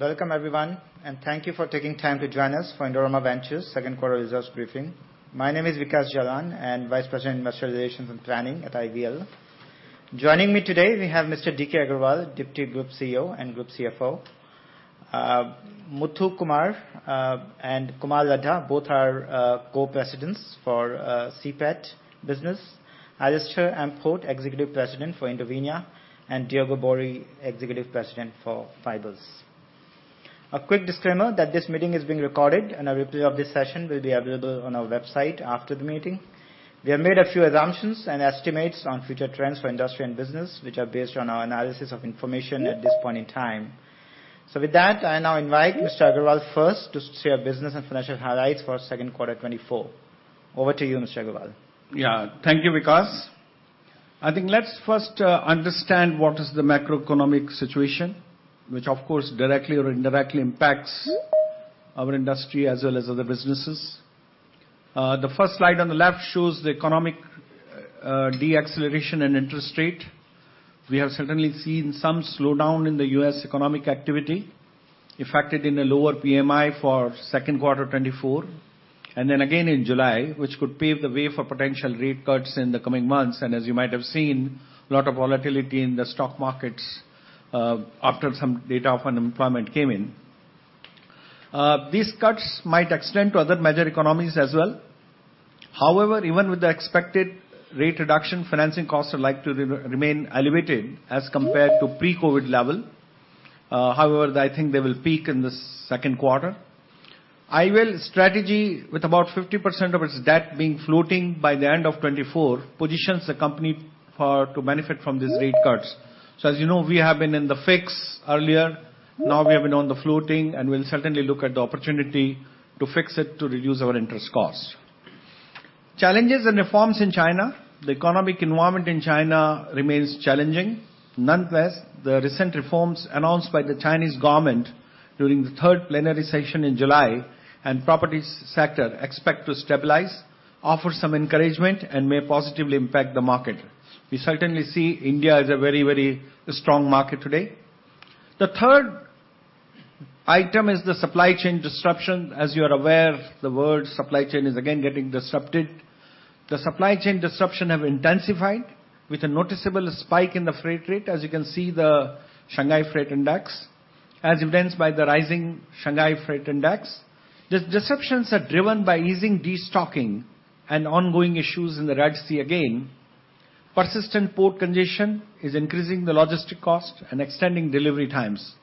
Welcome everyone, and thank you for taking time to join us for Indorama Ventures' Q2 results briefing. My name is Vikash Jalan, I'm Vice President, Industrialization and Planning at IVL. Joining me today, we have Mr. DK Agarwal, Deputy Group CEO and Group CFO. Muthukumar and Kumar Ladha, both are co-presidents for CPET business. Alastair Port, Executive President for Indovinya, and Diego Boeri, Executive President for Fibers. A quick disclaimer that this meeting is being recorded, and a replay of this session will be available on our website after the meeting. We have made a few assumptions and estimates on future trends for industry and business, which are based on our analysis of information at this point in time. So with that, I now invite Mr. Agarwal first to share business and financial highlights for Q2 2024. Over to you, Mr. Agarwal. Yeah. Thank you, Vikas. I think let's first understand what is the macroeconomic situation, which of course, directly or indirectly impacts our industry as well as other businesses. The first slide on the left shows the economic deceleration and interest rate. We have certainly seen some slowdown in the U.S. economic activity, effected in a lower PMI for Q2 2024, and then again in July, which could pave the way for potential rate cuts in the coming months. As you might have seen, a lot of volatility in the stock markets after some data of unemployment came in. These cuts might extend to other major economies as well. However, even with the expected rate reduction, financing costs are likely to remain elevated as compared to pre-COVID level. However, I think they will peak in the Q2. IVL strategy, with about 50% of its debt being floating by the end of 2024, positions the company for to benefit from these rate cuts. So as you know, we have been in the fix earlier, now we have been on the floating, and we'll certainly look at the opportunity to fix it to reduce our interest costs. Challenges and reforms in China. The economic environment in China remains challenging. Nonetheless, the recent reforms announced by the Chinese government during the third plenary session in July, and properties sector expect to stabilize, offer some encouragement, and may positively impact the market. We certainly see India as a very, very strong market today. The third item is the supply chain disruption. As you are aware, the world supply chain is again getting disrupted. The supply chain disruption have intensified with a noticeable spike in the freight rate, as you can see the Shanghai Freight Index, as evidenced by the rising Shanghai Freight Index. These disruptions are driven by easing destocking and ongoing issues in the Red Sea again. Persistent port condition is increasing the logistic cost and extending delivery times.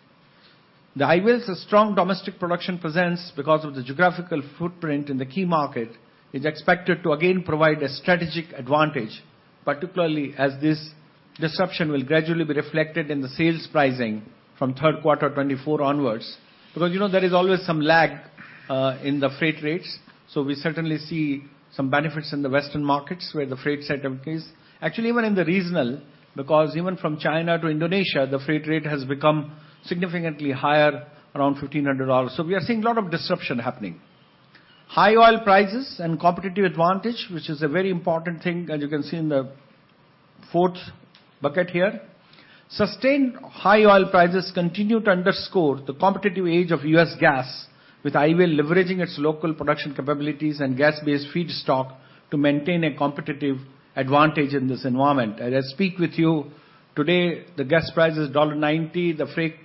The IVL's strong domestic production presence, because of the geographical footprint in the key market, is expected to again provide a strategic advantage, particularly as this disruption will gradually be reflected in the sales pricing from Q3 2024 onwards. Because, you know, there is always some lag in the freight rates, so we certainly see some benefits in the Western markets where the freight set increase. Actually, even in the regional, because even from China to Indonesia, the freight rate has become significantly higher, around $1,500. So we are seeing a lot of disruption happening. High oil prices and competitive advantage, which is a very important thing, as you can see in the fourth bucket here. Sustained high oil prices continue to underscore the competitive edge of U.S. gas, with IVL leveraging its local production capabilities and gas-based feedstock to maintain a competitive advantage in this environment. As I speak with you today, the gas price is $1.90, the freight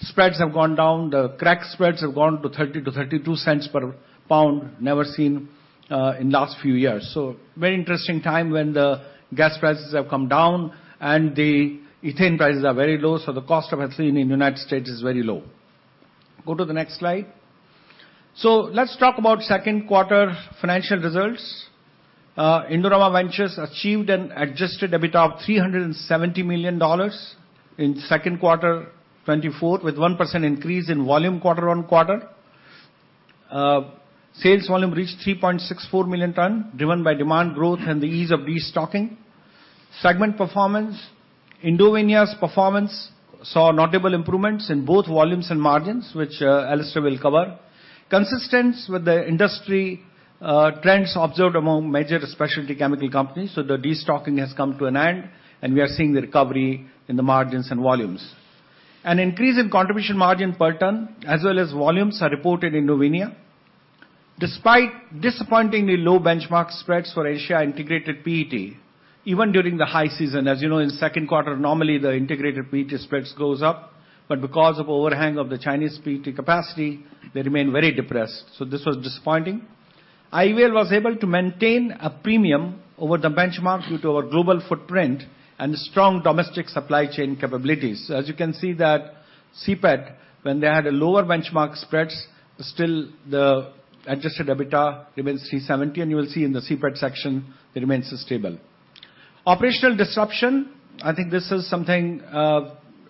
spreads have gone down, the crack spreads have gone to $0.30 to 0.32 per pound, never seen in last few years. So very interesting time when the gas prices have come down and the ethane prices are very low, so the cost of ethylene in the United States is very low. Go to the next slide. So let's talk about Q2 financial results. Indorama Ventures achieved an adjusted EBITDA of $370 million in Q2 2024, with 1% increase in volume quarter-on-quarter. Sales volume reached 3.64 million tons, driven by demand growth and the ease of destocking. Segment performance. Indovinya's performance saw notable improvements in both volumes and margins, which, Alastair will cover. Consistent with the industry trends observed among major specialty chemical companies, so the destocking has come to an end, and we are seeing the recovery in the margins and volumes. An increase in contribution margin per ton, as well as volumes, are reported in Indovinya. Despite disappointingly low benchmark spreads for Asia integrated PET, even during the high season, as you know, in the Q2, normally the integrated PET spreads goes up, but because of overhang of the Chinese PET capacity, they remain very depressed. This was disappointing. IVL was able to maintain a premium over the benchmark due to our global footprint and strong domestic supply chain capabilities. As you can see that, CPET, when they had a lower benchmark spreads, still the adjusted EBITDA remains 370, and you will see in the CPET section, it remains stable. Operational disruption, I think this is something,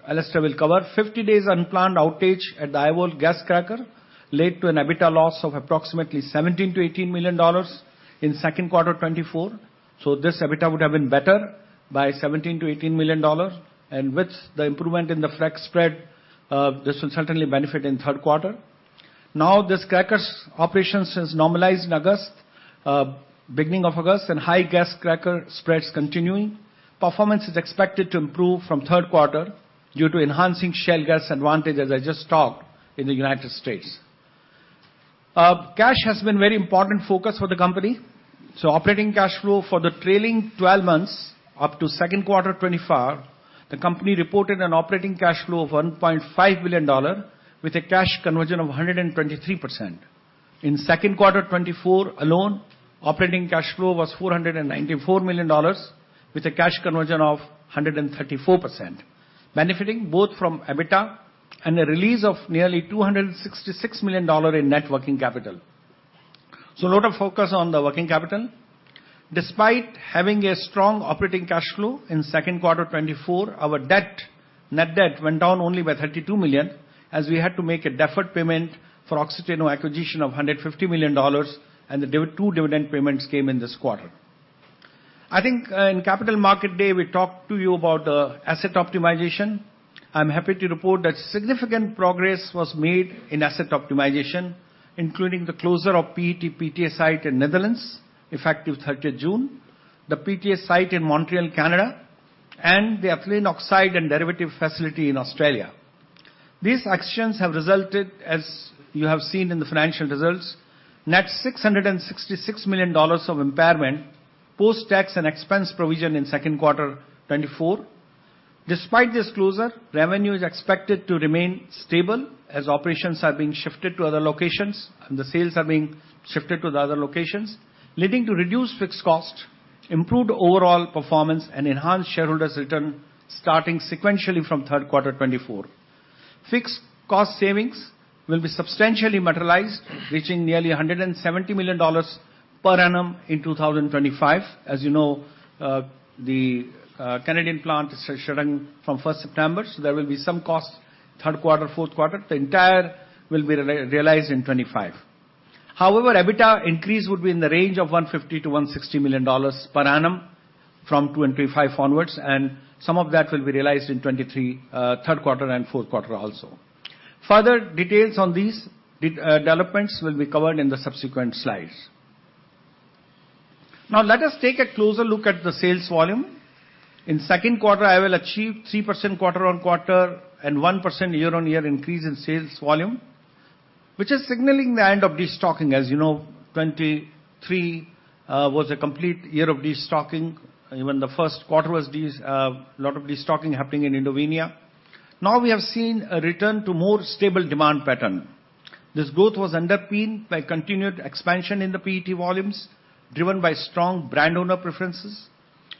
Alastair will cover. 50 days unplanned outage at the IVOL gas cracker led to an EBITDA loss of approximately $17 million to 18 million in Q2 2024. This EBITDA would have been better by $17 million to 18 million, and with the improvement in the crack spread, this will certainly benefit in Q3. Now this cracker's operations has normalized in August, beginning of August, and high gas cracker spreads continuing. Performance is expected to improve from Q3 due to enhancing shale gas advantage, as I just talked, in the United States. Cash has been very important focus for the company. So operating cash flow for the trailing 12 months up to Q2 2024, the company reported an operating cash flow of $1.5 billion, with a cash conversion of 123%. In Q2 2024 alone, operating cash flow was $494 million, with a cash conversion of 134%, benefiting both from EBITDA and a release of nearly $266 million in net working capital. So a lot of focus on the working capital. Despite having a strong operating cash flow in Q2 2024, our debt, net debt went down only by $32 million, as we had to make a deferred payment for Oxiteno acquisition of $150 million, and two dividend payments came in this quarter. I think, in Capital Market Day, we talked to you about the asset optimization. I'm happy to report that significant progress was made in asset optimization, including the closure of PET PTA site in Netherlands, effective 30th June, the PTA site in Montreal, Canada, and the ethylene oxide and derivative facility in Australia. These actions have resulted, as you have seen in the financial results, net $666 million of impairment, post-tax and expense provision in Q2 2024. Despite this closure, revenue is expected to remain stable as operations are being shifted to other locations, and the sales are being shifted to the other locations, leading to reduced fixed cost, improved overall performance, and enhanced shareholders' return, starting sequentially from Q3 2024. Fixed cost savings will be substantially materialized, reaching nearly $170 million per annum in 2025. As you know, the Canadian plant is shutting from September 1, so there will be some costs, Q3, Q4. The entire will be realized in 2025. However, EBITDA increase would be in the range of $150 million to 160 million per annum from 2025 onwards, and some of that will be realized in 2023, Q3 and Q4 also. Further details on these developments will be covered in the subsequent slides. Now, let us take a closer look at the sales volume. In Q2, we achieved 3% quarter-on-quarter and 1% year-on-year increase in sales volume, which is signaling the end of destocking. As you know, 2023 was a complete year of destocking. Even the Q1 was a lot of destocking happening in Indovinya. Now, we have seen a return to more stable demand pattern. This growth was underpinned by continued expansion in the PET volumes, driven by strong brand owner preferences.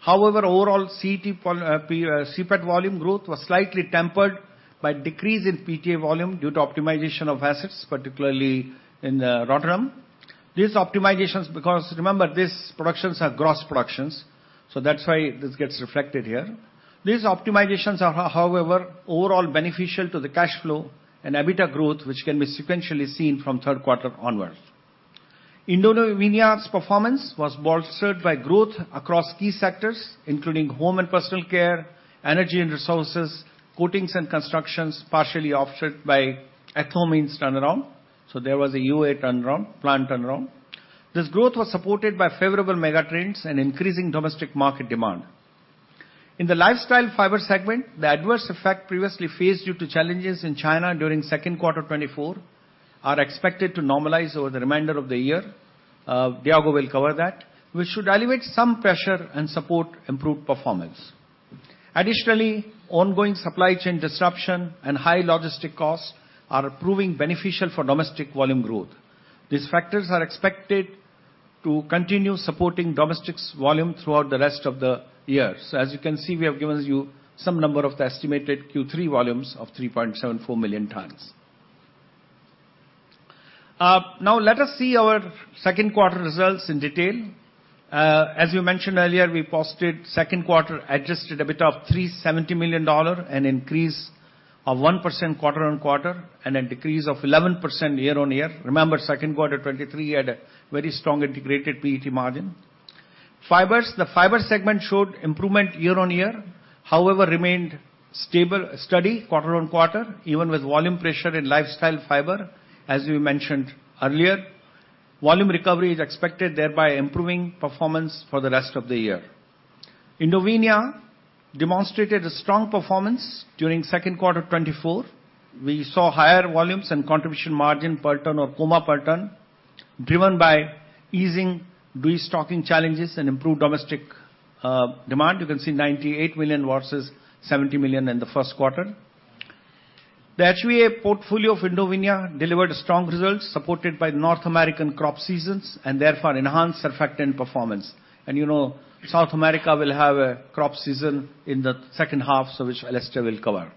However, overall, CPET volume growth was slightly tempered by decrease in PTA volume due to optimization of assets, particularly in Rotterdam. These optimizations, because remember, these productions are gross productions, so that's why this gets reflected here. These optimizations are, however, overall beneficial to the cash flow and EBITDA growth, which can be sequentially seen from Q3 onwards. Indovinya's performance was bolstered by growth across key sectors, including home and personal care, energy and resources, coatings and constructions, partially offset by Ethanolamines turnaround. So there was an EOA turnaround, plant turnaround. This growth was supported by favorable mega trends and increasing domestic market demand. In the lifestyle fiber segment, the adverse effect previously faced due to challenges in China during Q2 2024 are expected to normalize over the remainder of the year, Diego will cover that, which should alleviate some pressure and support improved performance. Additionally, ongoing supply chain disruption and high logistic costs are proving beneficial for domestic volume growth. These factors are expected to continue supporting domestic volume throughout the rest of the year. So as you can see, we have given you some number of the estimated Q3 volumes of 3.74 million tons. Now let us see our Q2 results in detail. As you mentioned earlier, we posted Q2 adjusted EBITDA of $370 million, an increase of 1% quarter-on-quarter, and a decrease of 11% year-on-year. Remember, Q2 2023, we had a very strong integrated PET margin. Fibers. The fiber segment showed improvement year-on-year, however, remained stable steady quarter-on-quarter, even with volume pressure in lifestyle fiber, as we mentioned earlier. Volume recovery is expected, thereby improving performance for the rest of the year. Indovinya demonstrated a strong performance during Q2 2024. We saw higher volumes and contribution margin per ton or CoMa per ton, driven by easing destocking challenges and improved domestic demand. You can see 98 million versus 70 million in the Q1. The HVA portfolio of Indovinya delivered strong results, supported by North American crop seasons and therefore enhanced surfactant performance. And you know, South America will have a crop season in the second half, so which Alastair will cover.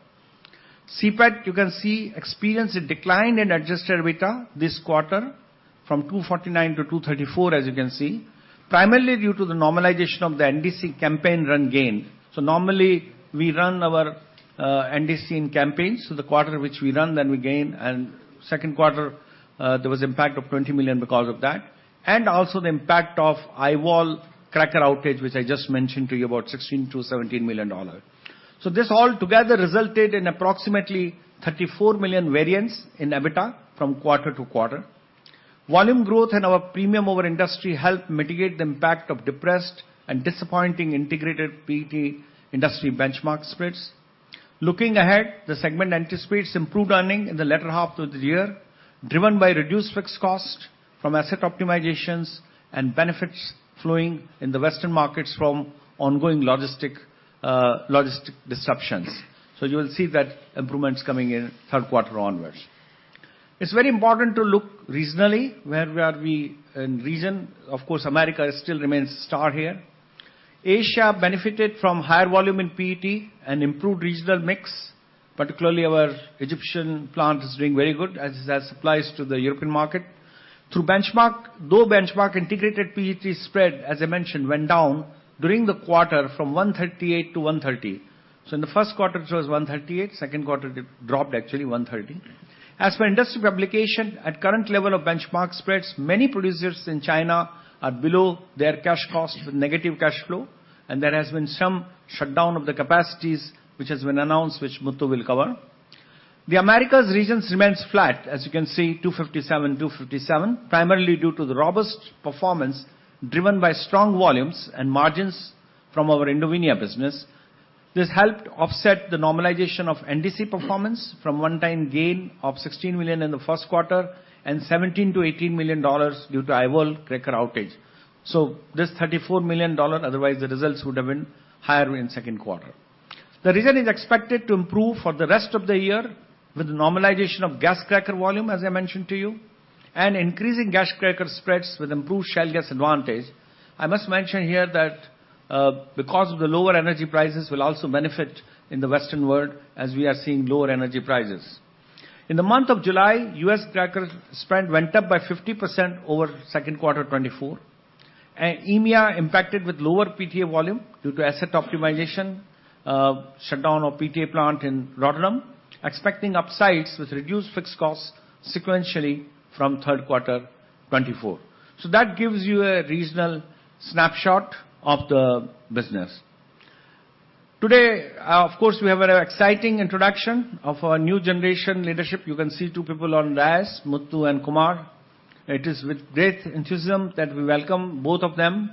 CPET, you can see, experienced a decline in adjusted EBITDA this quarter from $249 million to 234 million, as you can see, primarily due to the normalization of the NDC campaign run gain. So normally, we run our, NDC in campaigns, so the quarter which we run, then we gain. Q2, there was impact of $20 million because of that, and also the impact of IVOL cracker outage, which I just mentioned to you, about $16 million to 17 million. So this all together resulted in approximately $34 million variance in EBITDA from quarter-to-quarter. Volume growth and our premium over industry helped mitigate the impact of depressed and disappointing Integrated PET industry benchmark spreads. Looking ahead, the segment anticipates improved earning in the latter half of the year, driven by reduced fixed costs from asset optimizations and benefits flowing in the Western markets from ongoing logistic disruptions. So you will see that improvements coming in Q3 onwards. It's very important to look regionally, where are we in region? Of course, America still remains star here. Asia benefited from higher volume in PET and improved regional mix. Particularly, our Egyptian plant is doing very good as supplies to the European market. The benchmark, though the benchmark integrated PET spread, as I mentioned, went down during the quarter from 138 to 130. So in the Q1, it was 138, Q2, it dropped actually 130. As per industry publications, at current level of benchmark spreads, many producers in China are below their cash costs with negative cash flow, and there has been some shutdown of the capacities, which has been announced, which Muthu will cover. The Americas region remains flat, as you can see, 257, 257, primarily due to the robust performance, driven by strong volumes and margins from our Indovinya business. This helped offset the normalization of NDC performance from one-time gain of $16 million in the Q1 and $17 million to $18 million due to IVOL cracker outage. So this $34 million, otherwise the results would have been higher in Q2. The region is expected to improve for the rest of the year with the normalization of gas cracker volume, as I mentioned to you, and increasing gas cracker spreads with improved shale gas advantage. I must mention here that, the cost of the lower energy prices will also benefit in the Western world as we are seeing lower energy prices. In the month of July, U.S. cracker spread went up by 50% over Q2 2024, and EMEA impacted with lower PTA volume due to asset optimization, shutdown of PTA plant in Rotterdam, expecting upsides with reduced fixed costs sequentially from Q3 2024. So that gives you a regional snapshot of the business. Today, of course, we have an exciting introduction of our new generation leadership. You can see two people on the aisle, Muthu and Kumar. It is with great enthusiasm that we welcome both of them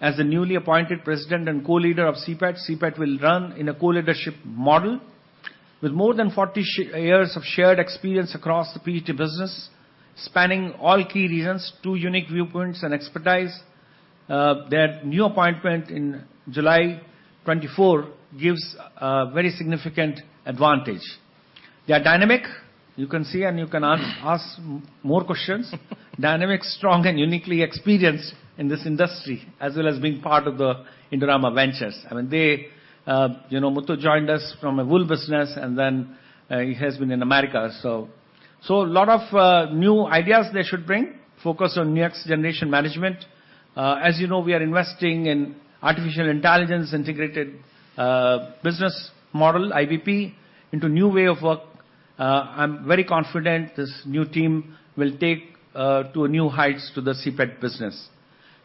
as the newly appointed President and co-leader of CPET. CPET will run in a co-leadership model. With more than 40 years of shared experience across the PET business, spanning all key regions, two unique viewpoints and expertise, their new appointment in July 2024 gives a very significant advantage. They are dynamic. You can see and you can ask more questions. Dynamic, strong, and uniquely experienced in this industry, as well as being part of the Indorama Ventures. I mean, they, you know, Muthu joined us from a wool business, and then, he has been in America. So, a lot of new ideas they should bring, focus on next generation management. As you know, we are investing in artificial intelligence, integrated, business model, IBP, into new way of work. I'm very confident this new team will take to new heights to the CPET business.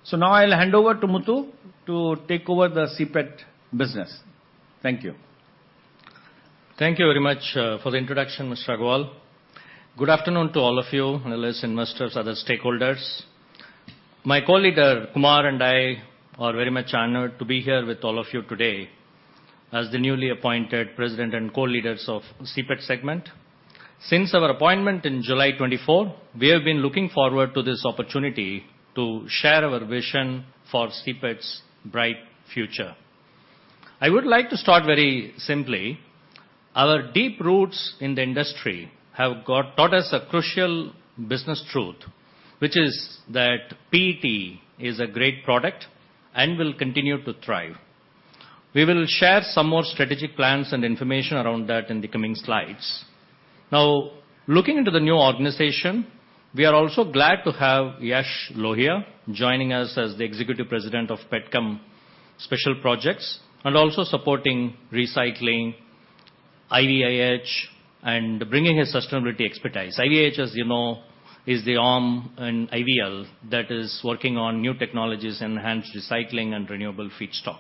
So now I'll hand over to Muthu to take over the CPET business. Thank you. Thank you very much for the introduction, Mr. Agarwal. Good afternoon to all of you, analysts, investors, other stakeholders. My colleague, Kumar, and I are very much honored to be here with all of you today as the newly appointed President and co-leaders of CPET segment. Since our appointment in July 2024, we have been looking forward to this opportunity to share our vision for CPET's bright future. I would like to start very simply. Our deep roots in the industry have taught us a crucial business truth, which is that PET is a great product and will continue to thrive. We will share some more strategic plans and information around that in the coming slides. Now, looking into the new organization, we are also glad to have Yash Lohia joining us as the Executive President of Petchem Special Projects, and also supporting recycling, IVIH, and bringing his sustainability expertise. IVIH, as you know, is the arm in IVL that is working on new technologies, enhanced recycling and renewable feedstock.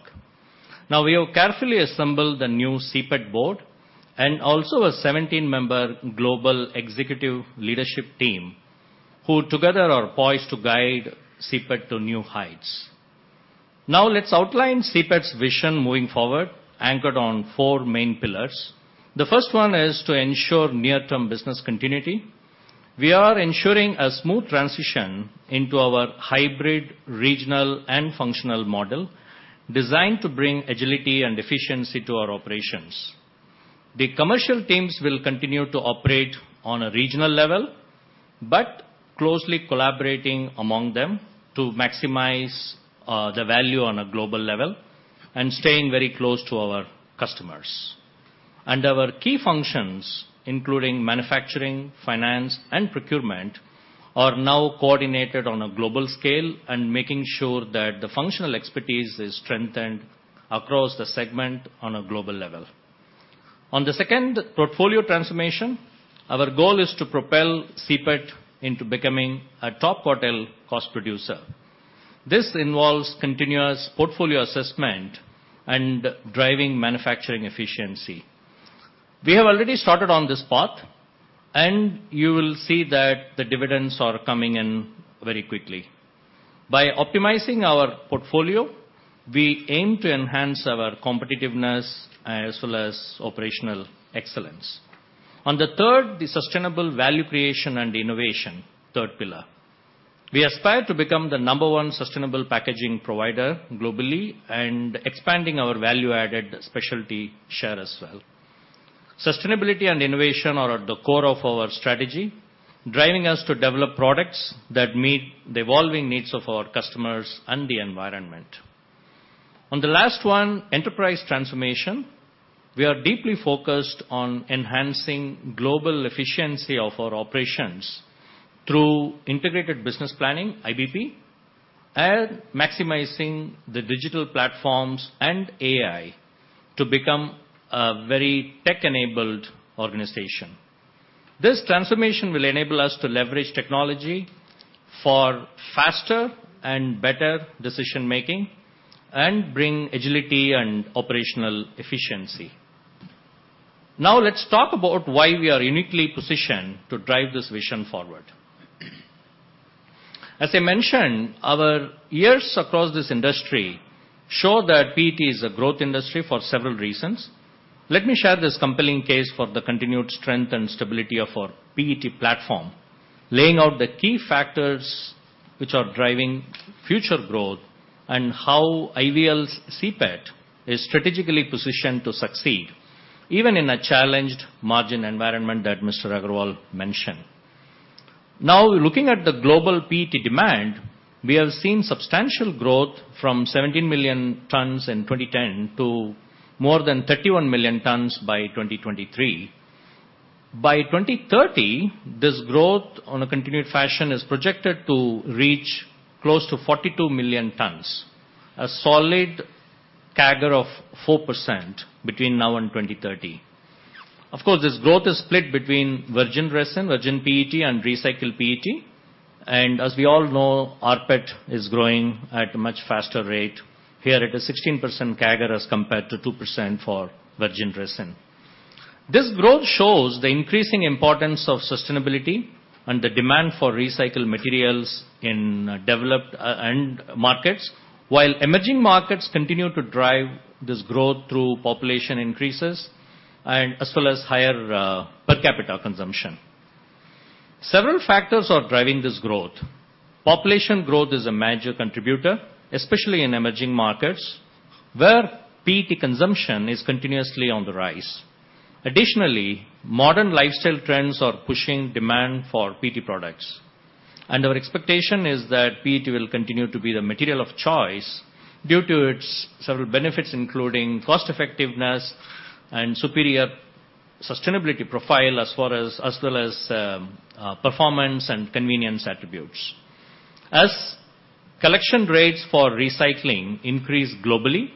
Now, we have carefully assembled a new CPET board and also a 17-member Global Executive Leadership team, who together are poised to guide CPET to new heights. Now, let's outline CPET's vision moving forward, anchored on four main pillars. The first one is to ensure near-term business continuity. We are ensuring a smooth transition into our hybrid, regional and functional model, designed to bring agility and efficiency to our operations. The commercial teams will continue to operate on a regional level, but closely collaborating among them to maximize the value on a global level and staying very close to our customers. Our key functions, including manufacturing, finance, and procurement, are now coordinated on a global scale and making sure that the functional expertise is strengthened across the segment on a global level on the second, portfolio transformation, our goal is to propel CPET into becoming a top quartile cost producer. This involves continuous portfolio assessment and driving manufacturing efficiency. We have already started on this path, and you will see that the dividends are coming in very quickly. By optimizing our portfolio, we aim to enhance our competitiveness, as well as operational excellence. On the third, the sustainable value creation and innovation, third pillar. We aspire to become the number one sustainable packaging provider globally, and expanding our value-added specialty share as well. Sustainability and innovation are at the core of our strategy, driving us to develop products that meet the evolving needs of our customers and the environment. On the last one, enterprise transformation, we are deeply focused on enhancing global efficiency of our operations through integrated business planning, IBP, and maximizing the digital platforms and AI to become a very tech-enabled organization. This transformation will enable us to leverage technology for faster and better decision-making, and bring agility and operational efficiency. Now, let's talk about why we are uniquely positioned to drive this vision forward. As I mentioned, our years across this industry show that PET is a growth industry for several reasons. Let me share this compelling case for the continued strength and stability of our PET platform, laying out the key factors which are driving future growth, and how IVL's CPET is strategically positioned to succeed, even in a challenged margin environment that Mr. Agarwal mentioned. Now, looking at the global PET demand, we have seen substantial growth from 17 million tons in 2010 to more than 31 million tons by 2023. By 2030, this growth, on a continued fashion, is projected to reach close to 42 million tons, a solid CAGR of 4% between now and 2030. Of course, this growth is split between virgin resin, virgin PET, and recycled PET, and as we all know, rPET is growing at a much faster rate. Here, it is 16% CAGR as compared to 2% for virgin resin. This growth shows the increasing importance of sustainability and the demand for recycled materials in developed end markets, while emerging markets continue to drive this growth through population increases and as well as higher per capita consumption. Several factors are driving this growth. Population growth is a major contributor, especially in emerging markets, where PET consumption is continuously on the rise. Additionally, modern lifestyle trends are pushing demand for PET products, and our expectation is that PET will continue to be the material of choice due to its several benefits, including cost effectiveness and superior sustainability profile, as well as performance and convenience attributes. As collection rates for recycling increase globally,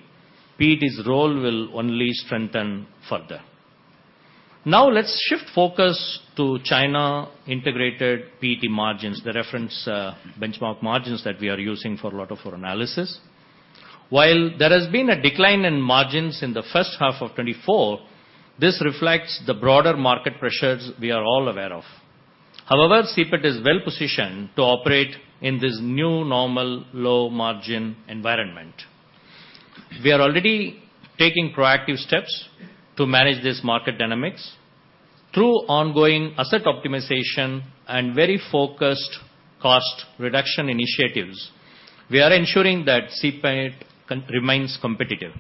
PET's role will only strengthen further. Now, let's shift focus to China integrated PET margins, the reference benchmark margins that we are using for a lot of our analysis. While there has been a decline in margins in the first half of 2024, this reflects the broader market pressures we are all aware of. However, CPET is well positioned to operate in this new, normal, low-margin environment. We are already taking proactive steps to manage this market dynamics. Through ongoing asset optimization and very focused cost reduction initiatives, we are ensuring that CPET remains competitive.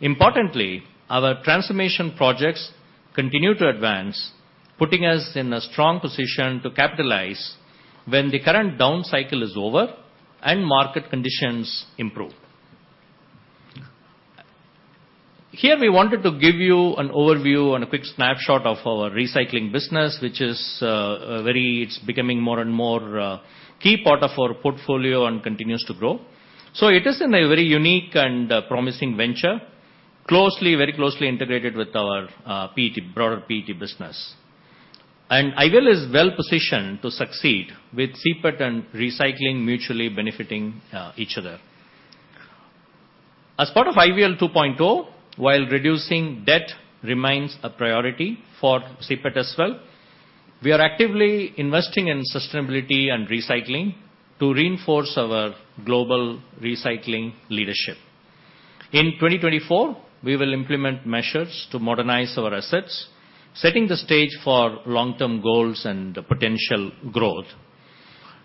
Importantly, our transformation projects continue to advance, putting us in a strong position to capitalize when the current down cycle is over and market conditions improve. Here, we wanted to give you an overview and a quick snapshot of our recycling business, which is very, it's becoming more and more key part of our portfolio and continues to grow. So it is in a very unique and promising venture, closely, very closely integrated with our PET, broader PET business. IVL is well positioned to succeed with CPET and recycling mutually benefiting each other. As part of IVL 2.0, while reducing debt remains a priority for CPET as well, we are actively investing in sustainability and recycling to reinforce our global recycling leadership. In 2024, we will implement measures to modernize our assets, setting the stage for long-term goals and potential growth.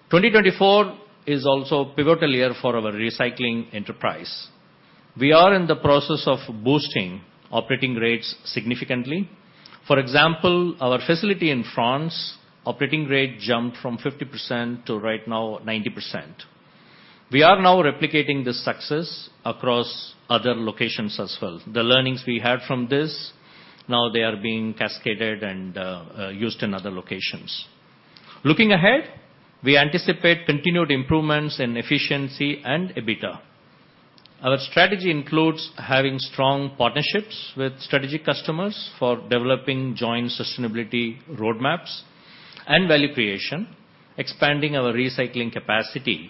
2024 is also a pivotal year for our recycling enterprise. We are in the process of boosting operating rates significantly. For example, our facility in France, operating rate jumped from 50% to, right now, 90%. We are now replicating this success across other locations as well. The learnings we had from this, now they are being cascaded and used in other locations. Looking ahead, we anticipate continued improvements in efficiency and EBITDA. Our strategy includes having strong partnerships with strategic customers for developing joint sustainability roadmaps and value creation, expanding our recycling capacity,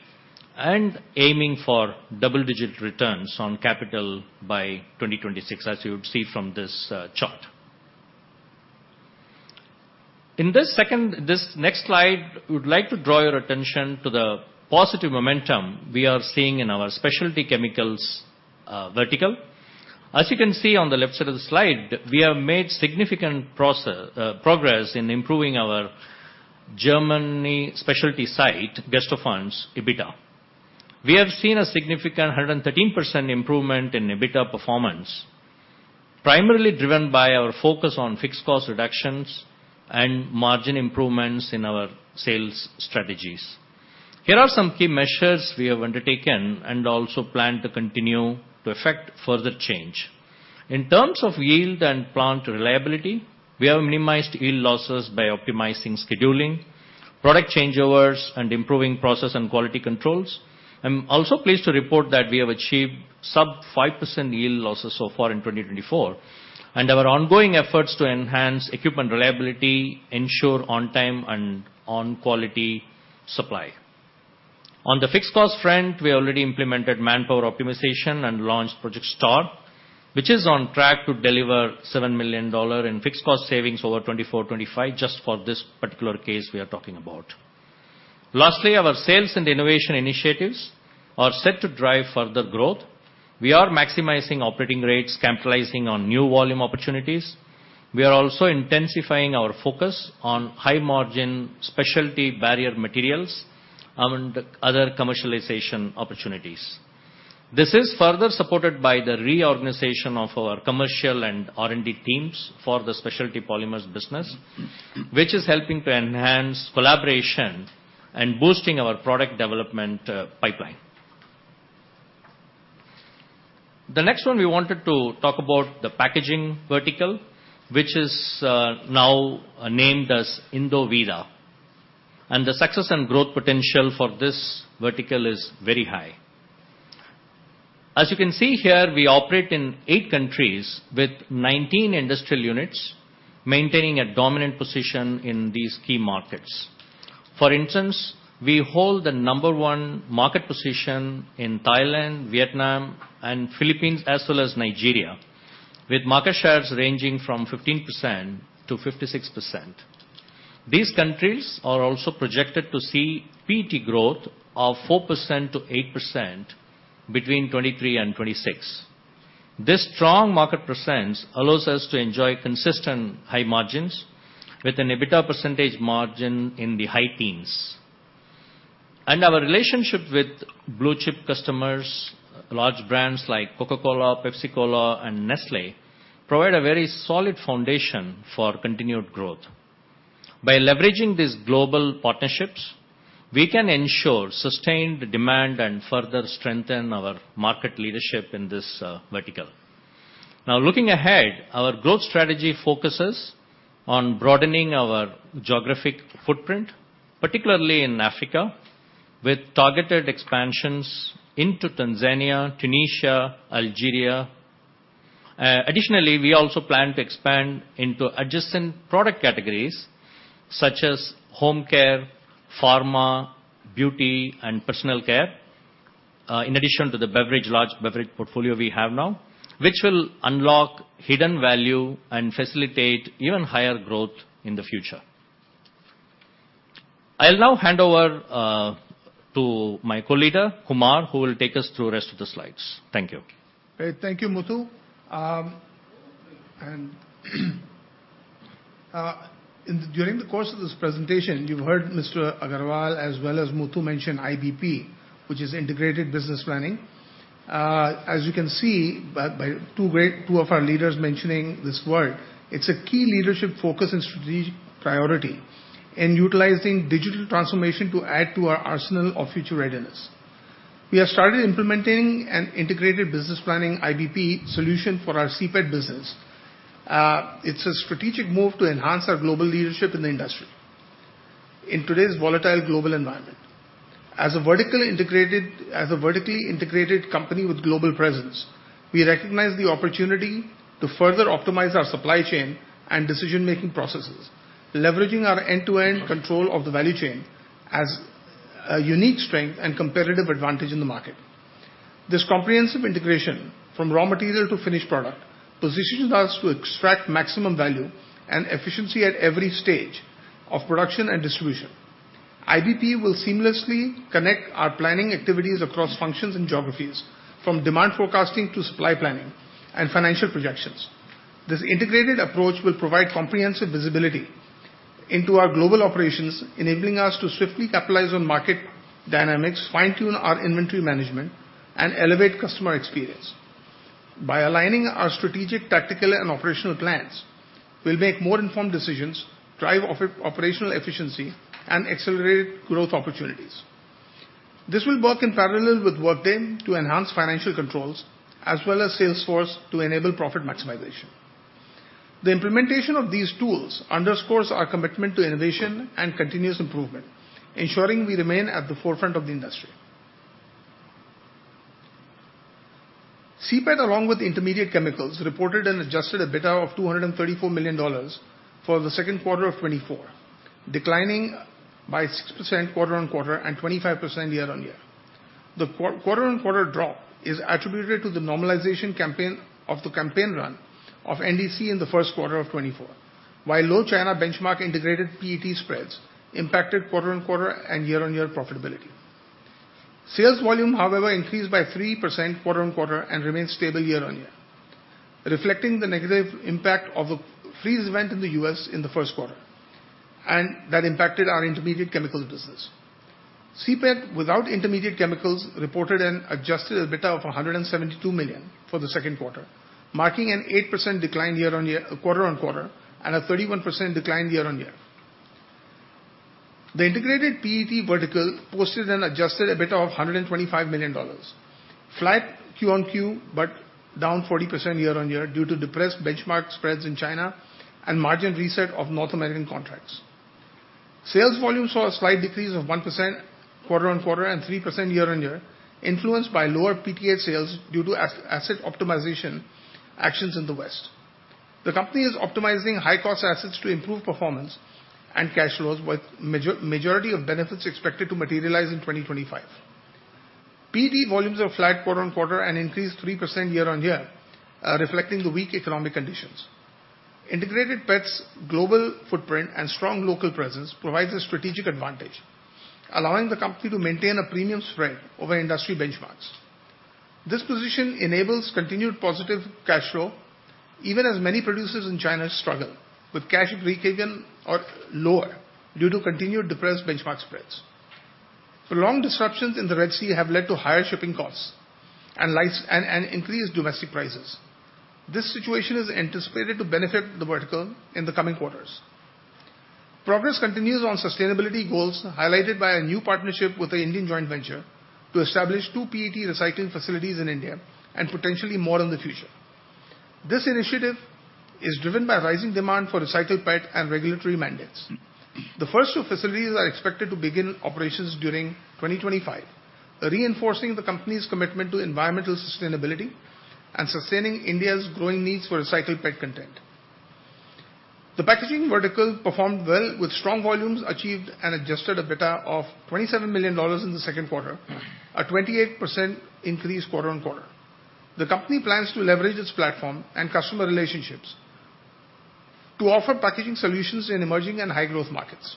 and aiming for double-digit returns on capital by 2026, as you would see from this chart. In this second, this next slide, we'd like to draw your attention to the positive momentum we are seeing in our specialty chemicals vertical. As you can see on the left side of the slide, we have made significant progress in improving our German specialty site, Gersthofen's, EBITDA. We have seen a significant 113% improvement in EBITDA performance, primarily driven by our focus on fixed cost reductions and margin improvements in our sales strategies. Here are some key measures we have undertaken, and also plan to continue to effect further change. In terms of yield and plant reliability, we have minimized yield losses by optimizing scheduling, product changeovers, and improving process and quality controls. I'm also pleased to report that we have achieved sub 5% yield losses so far in 2024, and our ongoing efforts to enhance equipment reliability ensure on-time and on-quality supply. On the fixed cost front, we already implemented manpower optimization and launched Project Star, which is on track to deliver $7 million in fixed cost savings over 2024, 2025, just for this particular case we are talking about. Lastly, our sales and innovation initiatives are set to drive further growth. We are maximizing operating rates, capitalizing on new volume opportunities. We are also intensifying our focus on high-margin specialty barrier materials and other commercialization opportunities. This is further supported by the reorganization of our commercial and R&D teams for the specialty polymers business, which is helping to enhance collaboration and boosting our product development, pipeline. The next one, we wanted to talk about the packaging vertical, which is now named as Indovinya, and the success and growth potential for this vertical is very high. As you can see here, we operate in 8 countries with 19 industrial units, maintaining a dominant position in these key markets. For instance, we hold the number one market position in Thailand, Vietnam, and Philippines, as well as Nigeria, with market shares ranging from 15% to 56%. These countries are also projected to see PET growth of 4% to 8% between 2023 and 2026. This strong market presence allows us to enjoy consistent high margins with an EBITDA margin in the high teens%. Our relationship with blue chip customers, large brands like Coca-Cola, PepsiCola, and Nestlé, provide a very solid foundation for continued growth. By leveraging these global partnerships, we can ensure sustained demand and further strengthen our market leadership in this vertical. Now, looking ahead, our growth strategy focuses on broadening our geographic footprint, particularly in Africa, with targeted expansions into Tanzania, Tunisia, Algeria. Additionally, we also plan to expand into adjacent product categories such as home care, pharma, beauty, and personal care, in addition to the beverage, large beverage portfolio we have now, which will unlock hidden value and facilitate even higher growth in the future. I'll now hand over to my co-leader, Kumar, who will take us through the rest of the slides. Thank you. Great. Thank you, Muthu. During the course of this presentation, you've heard Mr. Agarwal as well as Muthu mention IBP, which is integrated business planning. As you can see, by, by two great, two of our leaders mentioning this word, it's a key leadership focus and strategic priority in utilizing digital transformation to add to our arsenal of future readiness. We have started implementing an integrated business planning, IBP, solution for our CPET business. It's a strategic move to enhance our global leadership in the industry. In today's volatile global environment, as a vertical integrated, as a vertically integrated company with global presence, we recognize the opportunity to further optimize our supply chain and decision-making processes, leveraging our end-to-end control of the value chain as a unique strength and competitive advantage in the market. This comprehensive integration from raw material to finished product positions us to extract maximum value and efficiency at every stage of production and distribution. IBP will seamlessly connect our planning activities across functions and geographies, from demand forecasting to supply planning and financial projections. This integrated approach will provide comprehensive visibility into our global operations, enabling us to swiftly capitalize on market dynamics, fine-tune our inventory management, and elevate customer experience. By aligning our strategic, tactical, and operational plans, we'll make more informed decisions, drive operational efficiency, and accelerate growth opportunities. This will work in parallel with Workday to enhance financial controls, as well as Salesforce to enable profit maximization. The implementation of these tools underscores our commitment to innovation and continuous improvement, ensuring we remain at the forefront of the industry. CPET, along with Intermediate Chemicals, reported an adjusted EBITDA of $234 million for the Q2 of 2024, declining by 6% quarter-on-quarter and 25% year-on-year. The quarter-on-quarter drop is attributed to the normalization campaign, of the campaign run of NDC in the Q1 of 2024, while low China benchmark integrated PET spreads impacted quarter-on-quarter and year-on-year profitability. Sales volume, however, increased by 3% quarter-on-quarter and remained stable year-on-year, reflecting the negative impact of a freeze event in the U.S. in the Q1, and that impacted our Intermediate Chemicals business. CPET, without Intermediate Chemicals, reported an adjusted EBITDA of $172 million for the Q2, marking an 8% decline year-on-year--quarter-on-quarter, and a 31% decline year-on-year. The Integrated PET vertical posted an adjusted EBITDA of $125 million, flat Q-on-Q, but down 40% year-on-year due to depressed benchmark spreads in China and margin reset of North American contracts. Sales volume saw a slight decrease of 1% quarter-on-quarter and 3% year-on-year, influenced by lower PTA sales due to asset optimization actions in the West. The company is optimizing high-cost assets to improve performance and cash flows, with majority of benefits expected to materialize in 2025. PET volumes are flat quarter-on-quarter and increased 3% year-on-year, reflecting the weak economic conditions. Integrated PET's global footprint and strong local presence provides a strategic advantage, allowing the company to maintain a premium spread over industry benchmarks. This position enables continued positive cash flow, even as many producers in China struggle with cash break-even or lower due to continued depressed benchmark spreads. Prolonged disruptions in the Red Sea have led to higher shipping costs and increased domestic prices. This situation is anticipated to benefit the vertical in the coming quarters. Progress continues on sustainability goals, highlighted by a new partnership with an Indian joint venture to establish two PET recycling facilities in India and potentially more in the future. This initiative is driven by rising demand for recycled PET and regulatory mandates. The first two facilities are expected to begin operations during 2025, reinforcing the company's commitment to environmental sustainability and sustaining India's growing needs for recycled PET content. The packaging vertical performed well with strong volumes, achieved an adjusted EBITDA of $27 million in the Q2, a 28% increase quarter on quarter. The company plans to leverage its platform and customer relationships to offer packaging solutions in emerging and high-growth markets.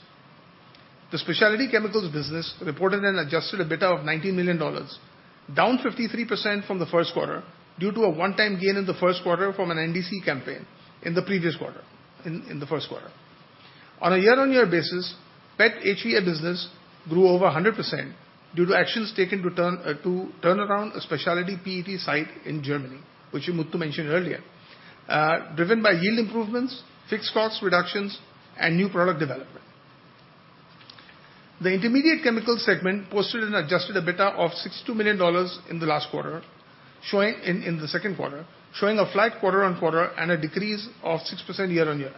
The Specialty Chemicals business reported an adjusted EBITDA of $19 million, down 53% from the Q1, due to a one-time gain in the Q1 from an NDC campaign in the previous quarter, in the Q1. On a year-on-year basis, PET HVA business grew over 100% due to actions taken to turn around a specialty PET site in Germany, which Muthu mentioned earlier, driven by yield improvements, fixed cost reductions, and new product development. The Intermediate Chemicals segment posted an adjusted EBITDA of $62 million in the last quarter, showing in the Q2, showing a flat quarter-on-quarter and a decrease of 6% year-on-year.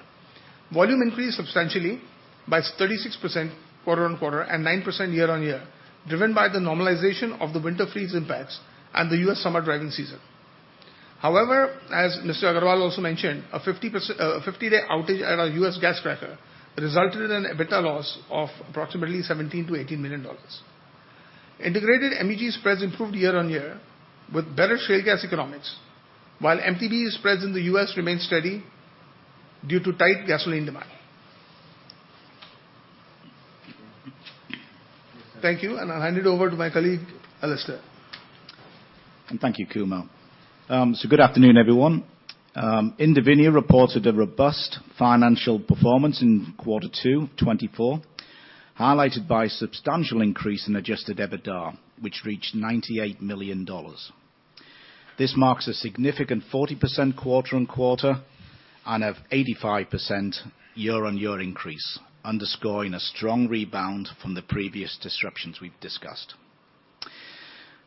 Volume increased substantially by 36% quarter-on-quarter and 9% year-on-year, driven by the normalization of the winter freeze impacts and the U.S. summer driving season. However, as Mr. Agarwal also mentioned, a 50-day outage at our U.S. gas cracker resulted in an EBITDA loss of approximately $17 million to 18 million. Integrated MEG spreads improved year-on-year with better shale gas economics, while MTBE spreads in the U.S. remained steady due to tight gasoline demand. Thank you, and I'll hand it over to my colleague, Alastair. And thank you, Kumar. So good afternoon, everyone. Indovinya reported a robust financial performance in Q2 2024, highlighted by a substantial increase in adjusted EBITDA, which reached $98 million. This marks a significant 40% quarter-on-quarter and an 85% year-on-year increase, underscoring a strong rebound from the previous disruptions we've discussed.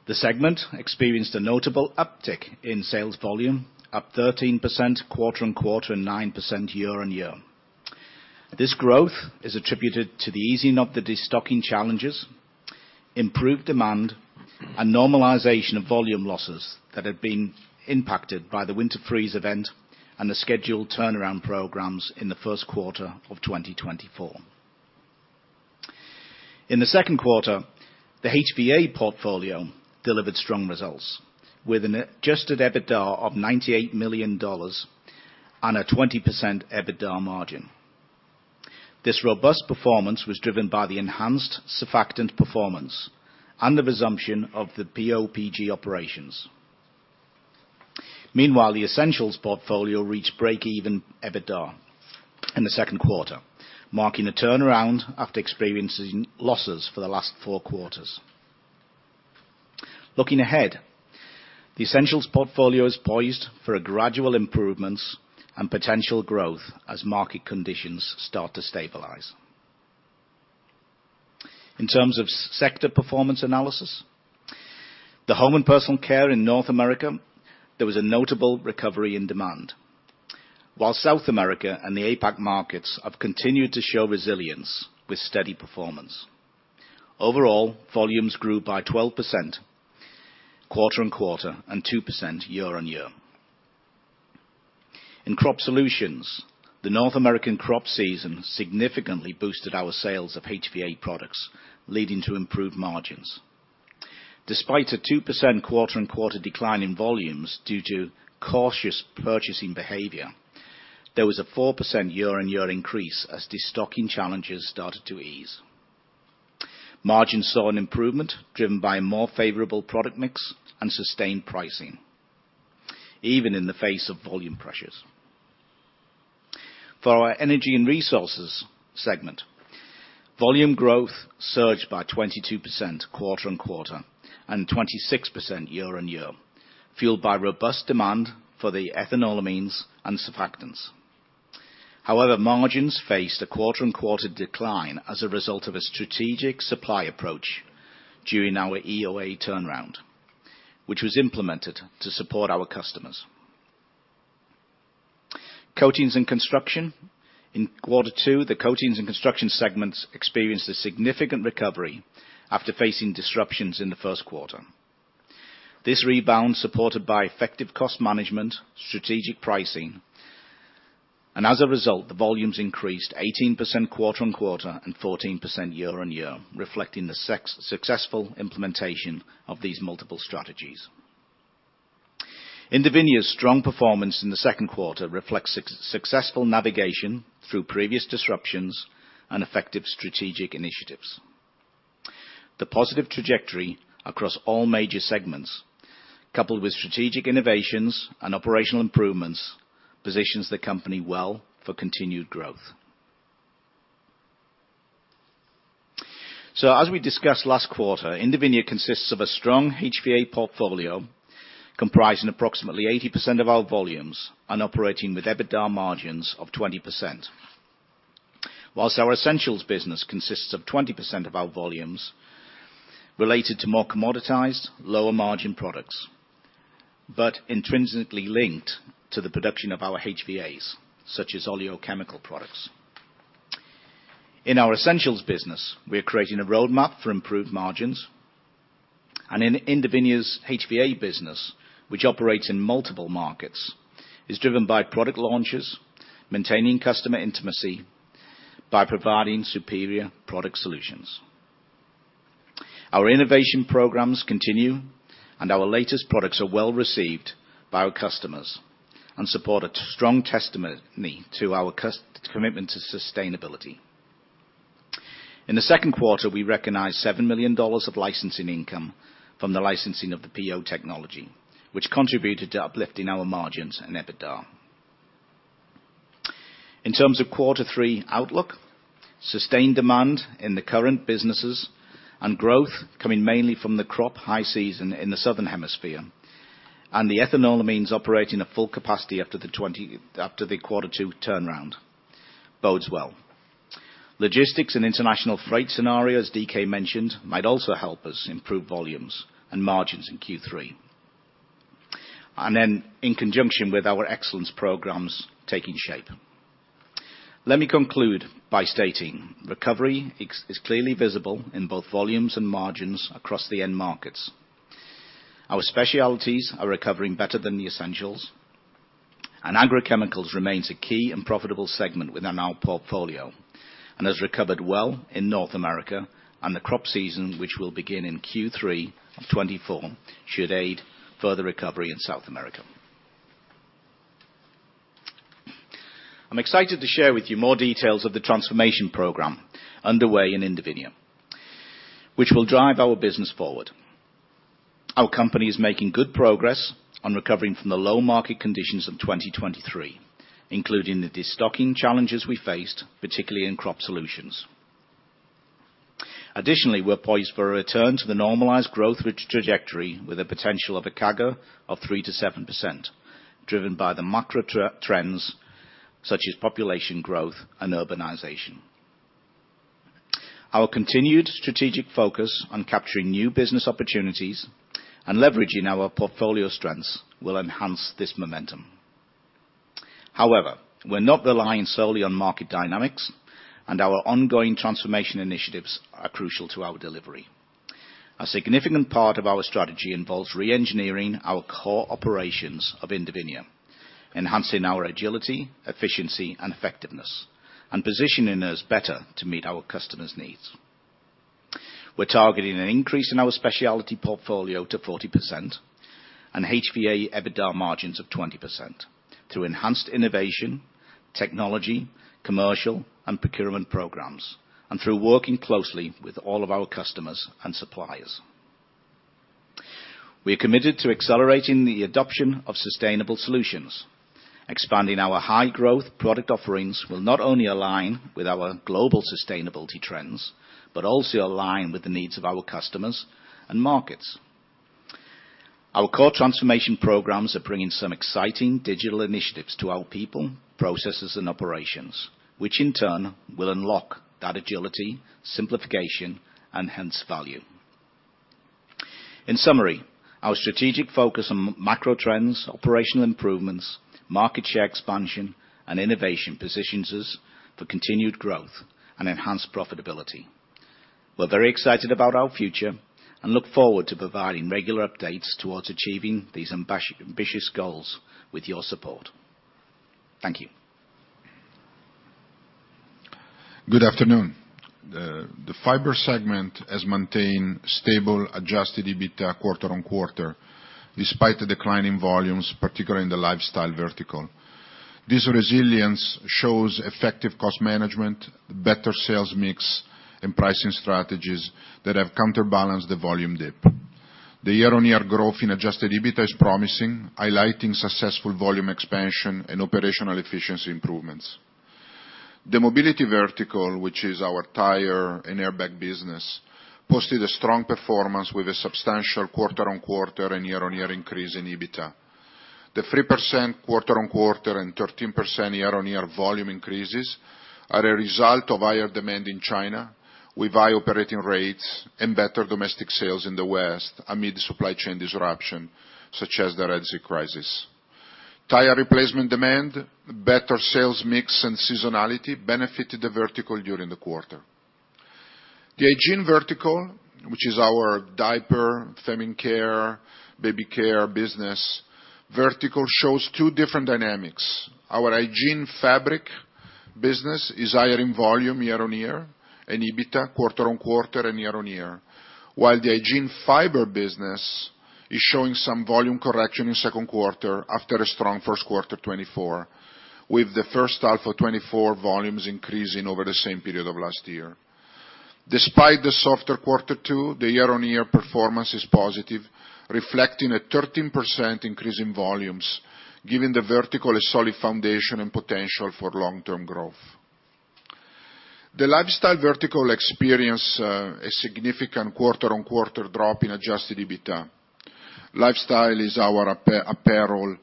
The segment experienced a notable uptick in sales volume, up 13% quarter-on-quarter and 9% year-on-year. This growth is attributed to the easing of the destocking challenges, improved demand, and normalization of volume losses that had been impacted by the winter freeze event and the scheduled turnaround programs in the Q1 of 2024. In the Q2, the HVA portfolio delivered strong results with an adjusted EBITDA of $98 million on a 20% EBITDA margin. This robust performance was driven by the enhanced surfactant performance and the resumption of the PO/PG operations. Meanwhile, the Essentials portfolio reached break-even EBITDA in the Q2, marking a turnaround after experiencing losses for the last four quarters. Looking ahead, the Essentials portfolio is poised for a gradual improvements and potential growth as market conditions start to stabilize. In terms of sector performance analysis, the home and personal care in North America, there was a notable recovery in demand. While South America and the APAC markets have continued to show resilience with steady performance. Overall, volumes grew by 12% quarter-on-quarter, and 2% year-on-year. In Crop Solutions, the North American crop season significantly boosted our sales of HVA products, leading to improved margins. Despite a 2% quarter-on-quarter decline in volumes due to cautious purchasing behavior, there was a 4% year-on-year increase as destocking challenges started to ease. Margins saw an improvement, driven by a more favorable product mix and sustained pricing, even in the face of volume pressures. For our energy and resources segment, volume growth surged by 22% quarter-on-quarter and 26% year-on-year, fueled by robust demand for the Ethanolamines and surfactants. However, margins faced a quarter-on-quarter decline as a result of a strategic supply approach during our EOA turnaround, which was implemented to support our customers. Coatings and Construction. In Q2, the coatings and construction segments experienced a significant recovery after facing disruptions in the Q1. This rebound, supported by effective cost management, strategic pricing, and as a result, the volumes increased 18% quarter-on-quarter and 14% year-on-year, reflecting the successful implementation of these multiple strategies. Indovinya's strong performance in the Q2 reflects successful navigation through previous disruptions and effective strategic initiatives. The positive trajectory across all major segments, coupled with strategic innovations and operational improvements, positions the company well for continued growth. So as we discussed last quarter, Indovinya consists of a strong HVA portfolio, comprising approximately 80% of our volumes and operating with EBITDA margins of 20%. While our essentials business consists of 20% of our volumes related to more commoditized, lower margin products, but intrinsically linked to the production of our HVAs, such as oleochemical products. In our essentials business, we are creating a roadmap for improved margins, and in Indovinya's HVA business, which operates in multiple markets, is driven by product launches, maintaining customer intimacy, by providing superior product solutions. Our innovation programs continue, and our latest products are well-received by our customers and support a strong testimony to our commitment to sustainability. In the Q2, we recognized $7 million of licensing income from the licensing of the PO technology, which contributed to uplifting our margins and EBITDA. In terms of quarter three outlook, sustained demand in the current businesses and growth coming mainly from the crop high season in the Southern Hemisphere, and the Ethanolamines operating at full capacity up to the 20 after the Q2 turnaround bodes well. Logistics and international freight scenario, as DK mentioned, might also help us improve volumes and margins in Q3, and then in conjunction with our excellence programs taking shape. Let me conclude by stating, recovery is clearly visible in both volumes and margins across the end markets. Our specialties are recovering better than the essentials, and agrochemicals remains a key and profitable segment within our portfolio and has recovered well in North America, and the crop season, which will begin in Q3 of 2024, should aid further recovery in South America. I'm excited to share with you more details of the transformation program underway in Indovinya, which will drive our business forward. Our company is making good progress on recovering from the low market conditions of 2023, including the destocking challenges we faced, particularly in Crop Solutions. Additionally, we're poised for a return to the normalized growth trajectory with a potential of a CAGR of 3% to 7%, driven by the macro trends such as population growth and urbanization. Our continued strategic focus on capturing new business opportunities and leveraging our portfolio strengths will enhance this momentum. However, we're not relying solely on market dynamics, and our ongoing transformation initiatives are crucial to our delivery. A significant part of our strategy involves re-engineering our core operations of Indovinya, enhancing our agility, efficiency, and effectiveness, and positioning us better to meet our customers' needs. We're targeting an increase in our specialty portfolio to 40% and HVA EBITDA margins of 20% through enhanced innovation, technology, commercial, and procurement programs, and through working closely with all of our customers and suppliers. We are committed to accelerating the adoption of sustainable solutions. Expanding our high growth product offerings will not only align with our global sustainability trends, but also align with the needs of our customers and markets. Our core transformation programs are bringing some exciting digital initiatives to our people, processes, and operations, which in turn will unlock that agility, simplification, and hence value. In summary, our strategic focus on macro trends, operational improvements, market share expansion, and innovation positions us for continued growth and enhanced profitability. We're very excited about our future, and look forward to providing regular updates towards achieving these ambitious, ambitious goals with your support. Thank you. Good afternoon. The fiber segment has maintained stable adjusted EBITDA quarter-on-quarter, despite the declining volumes, particularly in the lifestyle vertical. This resilience shows effective cost management, better sales mix, and pricing strategies that have counterbalanced the volume dip. The year-on-year growth in adjusted EBITDA is promising, highlighting successful volume expansion and operational efficiency improvements. The mobility vertical, which is our tire and airbag business, posted a strong performance with a substantial quarter-on-quarter and year-on-year increase in EBITDA. The 3% quarter-on-quarter and 13% year-on-year volume increases are a result of higher demand in China, with high operating rates and better domestic sales in the West amid supply chain disruption, such as the Red Sea crisis. Tire replacement demand, better sales mix and seasonality benefited the vertical during the quarter. The hygiene vertical, which is our diaper, feminine care, baby care business, vertical shows two different dynamics. Our hygiene fabric business is higher in volume year-on-year and EBITDA quarter-on-quarter and year-on-year, while the hygiene fiber business is showing some volume correction in Q2 after a strong Q1 2024, with the first half of 2024 volumes increasing over the same period of last year. Despite the softer quarter two, the year-on-year performance is positive, reflecting a 13% increase in volumes, giving the vertical a solid foundation and potential for long-term growth. The lifestyle vertical experienced a significant quarter-on-quarter drop in adjusted EBITDA. Lifestyle is our apparel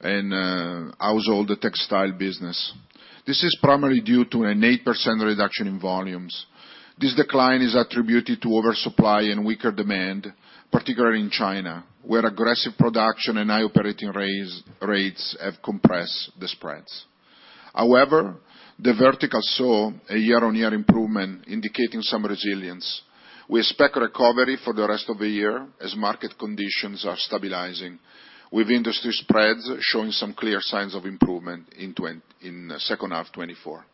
and household textile business. This is primarily due to an 8% reduction in volumes. This decline is attributed to oversupply and weaker demand, particularly in China, where aggressive production and high operating rates have compressed the spreads. However, the vertical saw a year-on-year improvement, indicating some resilience. We expect recovery for the rest of the year as market conditions are stabilizing, with industry spreads showing some clear signs of improvement in second half 2024.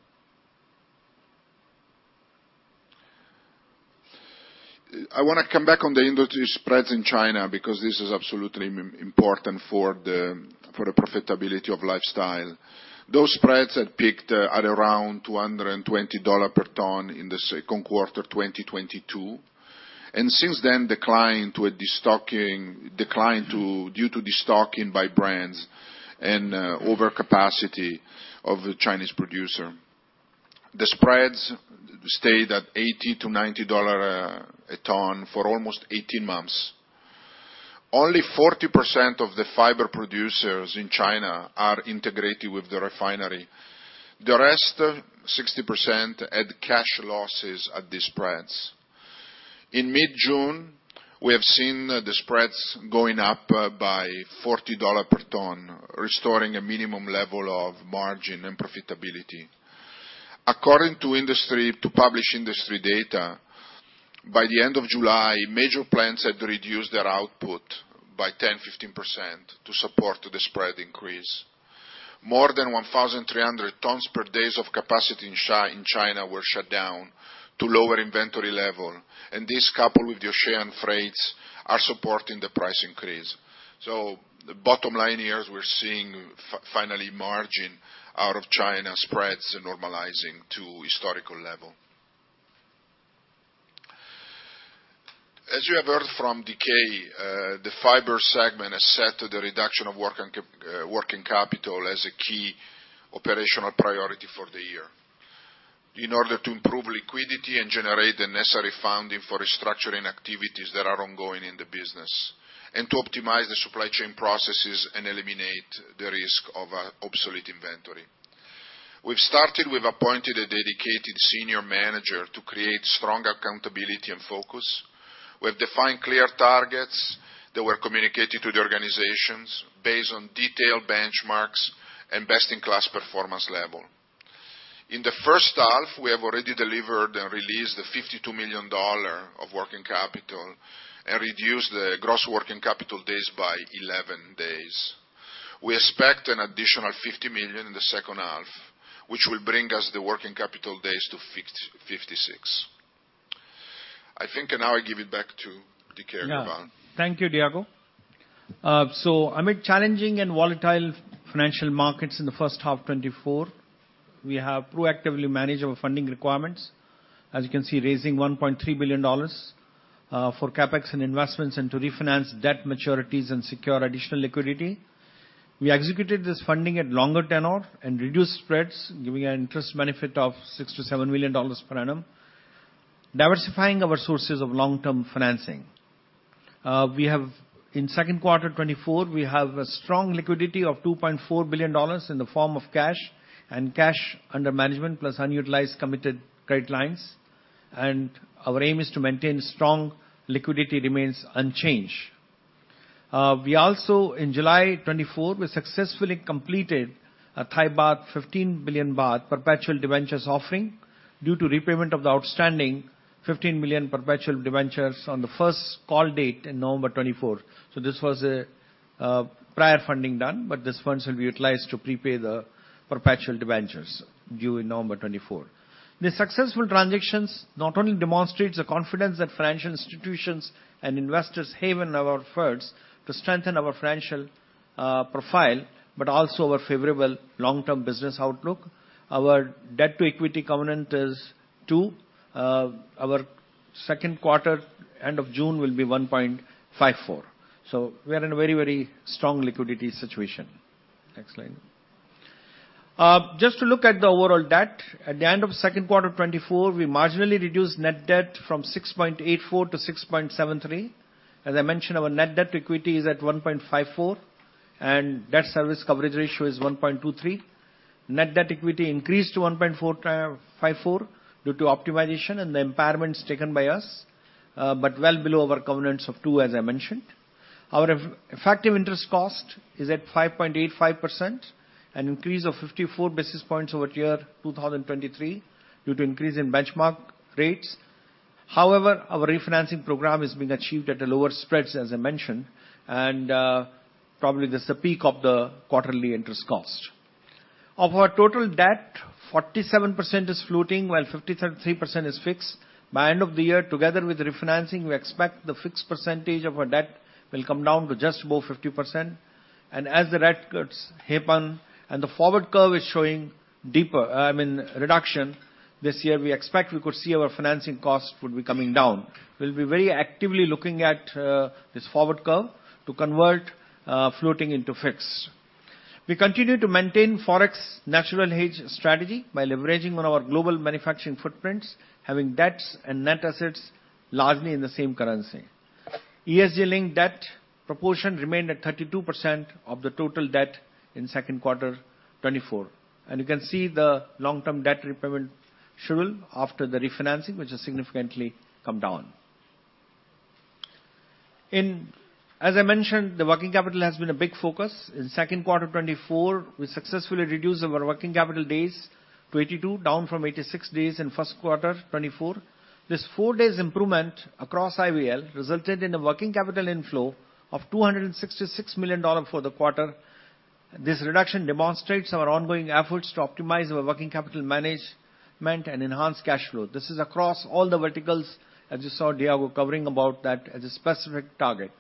I want to come back on the industry spreads in China, because this is absolutely important for the profitability of Fibers. Those spreads had peaked at around $220 per ton in the Q2 2022, and since then declined due to destocking by brands and overcapacity of the Chinese producer. The spreads stayed at $80 to 90 a ton for almost 18 months. Only 40% of the fiber producers in China are integrated with the refinery. The rest, 60%, had cash losses at the spreads. In mid-June, we have seen the spreads going up by $40 per ton, restoring a minimum level of margin and profitability. According to published industry data, by the end of July, major plants had reduced their output by 10% to 15% to support the spread increase. More than 1,300 tons per day of capacity in China were shut down to lower inventory level, and this, coupled with the ocean freights, are supporting the price increase. So the bottom line here is we're seeing finally margin out of China, spreads normalizing to historical level. As you have heard from DK, the fiber segment has set the reduction of working capital as a key operational priority for the year. In order to improve liquidity and generate the necessary funding for restructuring activities that are ongoing in the business, and to optimize the supply chain processes and eliminate the risk of obsolete inventory. We've started, we've appointed a dedicated senior manager to create strong accountability and focus. We have defined clear targets that were communicated to the organizations based on detailed benchmarks and best-in-class performance level. In the first half, we have already delivered and released $52 million of working capital and reduced the gross working capital days by 11 days. We expect an additional $50 million in the second half, which will bring us the working capital days to 56. I think now I give it back to DK Agarwal. Yeah. Thank you, Diego. So amid challenging and volatile financial markets in the first half 2024... We have proactively managed our funding requirements. As you can see, raising $1.3 billion for CapEx and investments, and to refinance debt maturities and secure additional liquidity. We executed this funding at longer tenor and reduced spreads, giving an interest benefit of $6 million to 7 million per annum, diversifying our sources of long-term financing. In Q2 2024, we have a strong liquidity of $2.4 billion in the form of cash, and cash under management, plus unutilized committed credit lines, and our aim is to maintain strong liquidity remains unchanged. In July 2024, we successfully completed a 15 billion baht perpetual debentures offering, due to repayment of the outstanding 15 million perpetual debentures on the first call date in November 2024. So this was a prior funding done, but these funds will be utilized to prepay the perpetual debentures due in November 2024. The successful transactions not only demonstrates the confidence that financial institutions and investors have in our efforts to strengthen our financial profile, but also our favorable long-term business outlook. Our debt-to-equity covenant is 2. Our Q2, end of June, will be 1.54. So we are in a very, very strong liquidity situation. Next slide. Just to look at the overall debt, at the end of Q2 2024, we marginally reduced net debt from 6.84 to 6.73. As I mentioned, our net debt to equity is at 1.54, and debt service coverage ratio is 1.23. Net debt equity increased to 1.454 due to optimization and the impairments taken by us, but well below our covenants of 2, as I mentioned. Our effective interest cost is at 5.85%, an increase of 54 basis points over year 2023 due to increase in benchmark rates. However, our refinancing program is being achieved at a lower spreads, as I mentioned, and probably this is the peak of the quarterly interest cost. Of our total debt, 47% is floating, while 53% is fixed. By end of the year, together with refinancing, we expect the fixed percentage of our debt will come down to just above 50%. And as the rates happen and the forward curve is showing deeper... I mean, reduction this year, we expect we could see our financing costs would be coming down. We'll be very actively looking at this forward curve to convert floating into fixed. We continue to maintain Forex natural hedge strategy by leveraging on our global manufacturing footprints, having debts and net assets largely in the same currency. ESG-linked debt proportion remained at 32% of the total debt in Q2 2024, and you can see the long-term debt repayment schedule after the refinancing, which has significantly come down. As I mentioned, the working capital has been a big focus. In Q2 2024, we successfully reduced our working capital days to 82, down from 86 days in Q1 2024. This four days improvement across IVL resulted in a working capital inflow of $266 million for the quarter. This reduction demonstrates our ongoing efforts to optimize our working capital management and enhance cash flow. This is across all the verticals, as you saw Diego covering about that as a specific target.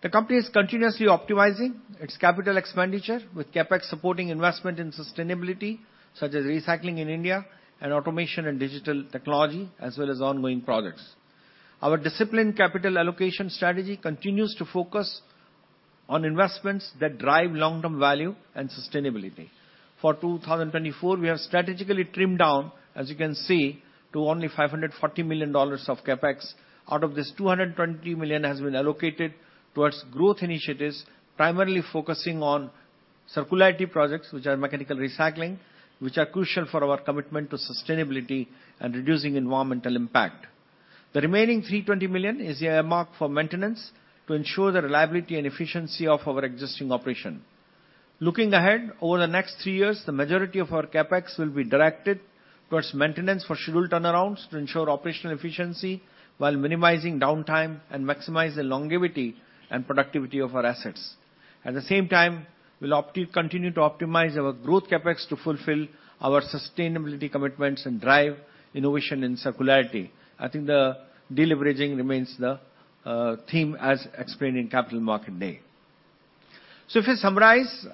The company is continuously optimizing its capital expenditure, with CapEx supporting investment in sustainability, such as recycling in India and automation and digital technology, as well as ongoing products. Our disciplined capital allocation strategy continues to focus on investments that drive long-term value and sustainability. For 2024, we have strategically trimmed down, as you can see, to only $540 million of CapEx. Out of this, $220 million has been allocated towards growth initiatives, primarily focusing on circularity projects, which are mechanical recycling, which are crucial for our commitment to sustainability and reducing environmental impact. The remaining $320 million is earmarked for maintenance to ensure the reliability and efficiency of our existing operation. Looking ahead, over the next three years, the majority of our CapEx will be directed towards maintenance for scheduled turnarounds to ensure operational efficiency while minimizing downtime and maximize the longevity and productivity of our assets. At the same time, we'll continue to optimize our growth CapEx to fulfill our sustainability commitments and drive innovation in circularity. I think the de-leveraging remains the theme as explained in Capital Market Day. So if you summarize,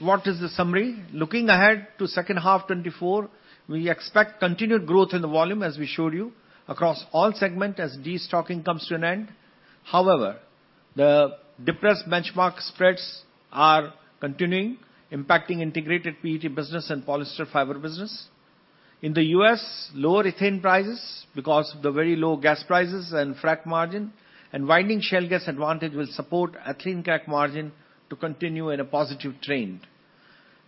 what is the summary? Looking ahead to second half 2024, we expect continued growth in the volume, as we showed you, across all segment as destocking comes to an end. However, the depressed benchmark spreads are continuing, impacting Integrated PET business and polyester fiber business. In the U.S., lower ethane prices because of the very low gas prices and crack margin, and winning shale gas advantage will support ethylene crack margin to continue in a positive trend.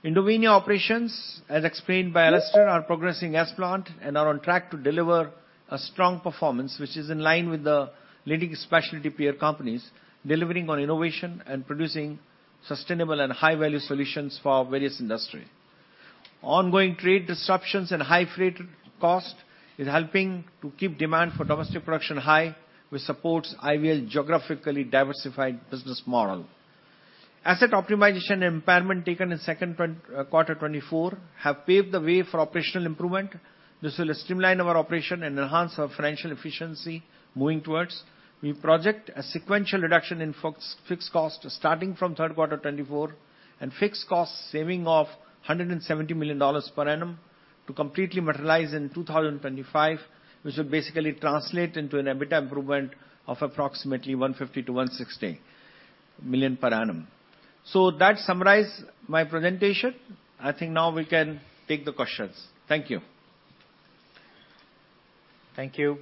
Indovinya operations, as explained by Alastair, are progressing as planned and are on track to deliver a strong performance, which is in line with the leading specialty peer companies, delivering on innovation and producing sustainable and high-value solutions for various industry. Ongoing trade disruptions and high freight cost is helping to keep demand for domestic production high, which supports IVL geographically diversified business model. Asset optimization and impairment taken in Q2 2024 have paved the way for operational improvement. This will streamline our operation and enhance our financial efficiency moving forward. We project a sequential reduction in fixed costs, starting from Q3 2024, and fixed cost saving of $170 million per annum to completely materialize in 2025, which will basically translate into an EBITDA improvement of approximately $150 million to 160 million per annum. So that summarize my presentation. I think now we can take the questions. Thank you. Thank you,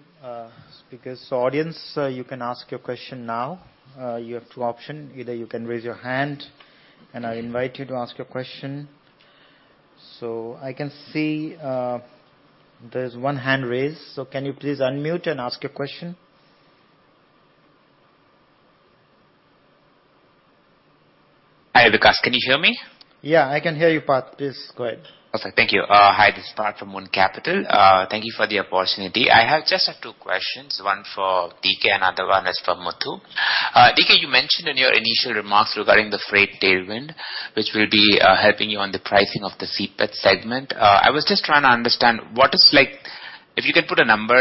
speakers. So audience, you can ask your question now. You have two option: either you can raise your hand, and I invite you to ask your question. So I can see, there's one hand raised, so can you please unmute and ask your question? Hi, Vikas, can you hear me? Yeah, I can hear you, Parth. Please, go ahead. Okay, thank you. Hi, this is Parth from Moon Capital. Thank you for the opportunity. I have just two questions, one for DK, another one is for Muthu. DK, you mentioned in your initial remarks regarding the freight tailwind, which will be helping you on the pricing of the CPET segment. I was just trying to understand, what is like if you can put a number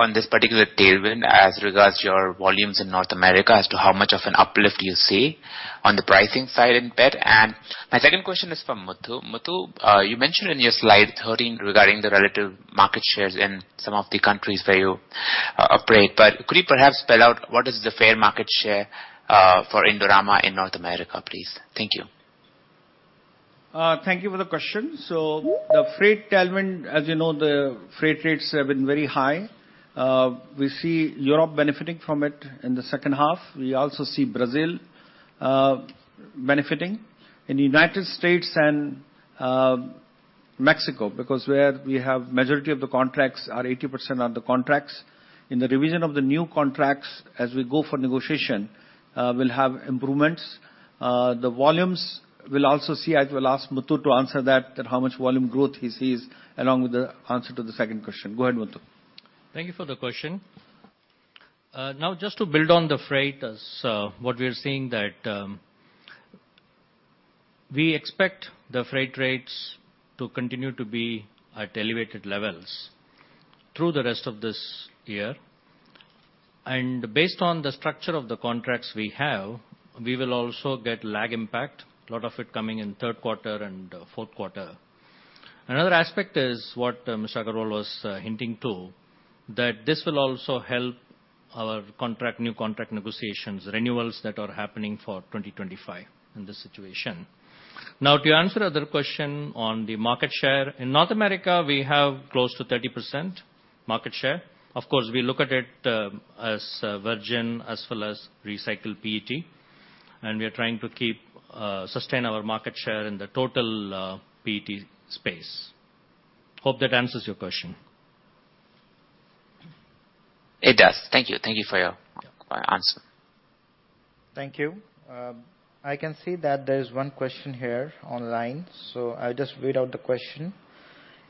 on this particular tailwind as regards your volumes in North America, as to how much of an uplift you see on the pricing side in PET? And my second question is for Muthu. Muthu, you mentioned in your slide 13 regarding the relative market shares in some of the countries where you operate, but could you perhaps spell out what is the fair market share for Indorama in North America, please? Thank you. Thank you for the question. So the freight tailwind, as you know, the freight rates have been very high. We see Europe benefiting from it in the second half. We also see Brazil, benefiting. In the United States and, Mexico, because where we have majority of the contracts, are 80% of the contracts, in the revision of the new contracts, as we go for negotiation, will have improvements. The volumes, we'll also see. I will ask Muthu to answer that, that how much volume growth he sees, along with the answer to the second question. Go ahead, Muthu. Thank you for the question. Now, just to build on the freight, as what we are seeing, that we expect the freight rates to continue to be at elevated levels through the rest of this year. Based on the structure of the contracts we have, we will also get lag impact, a lot of it coming in Q3 and Q4. Another aspect is what Mr. Agarwal was hinting to, that this will also help our contract, new contract negotiations, renewals that are happening for 2025 in this situation. Now, to answer other question on the market share, in North America, we have close to 30% market share. Of course, we look at it, as virgin as well as recycled PET, and we are trying to keep sustain our market share in the total PET space. Hope that answers your question. It does. Thank you. Thank you for your answer. Thank you. I can see that there's one question here online, so I'll just read out the question.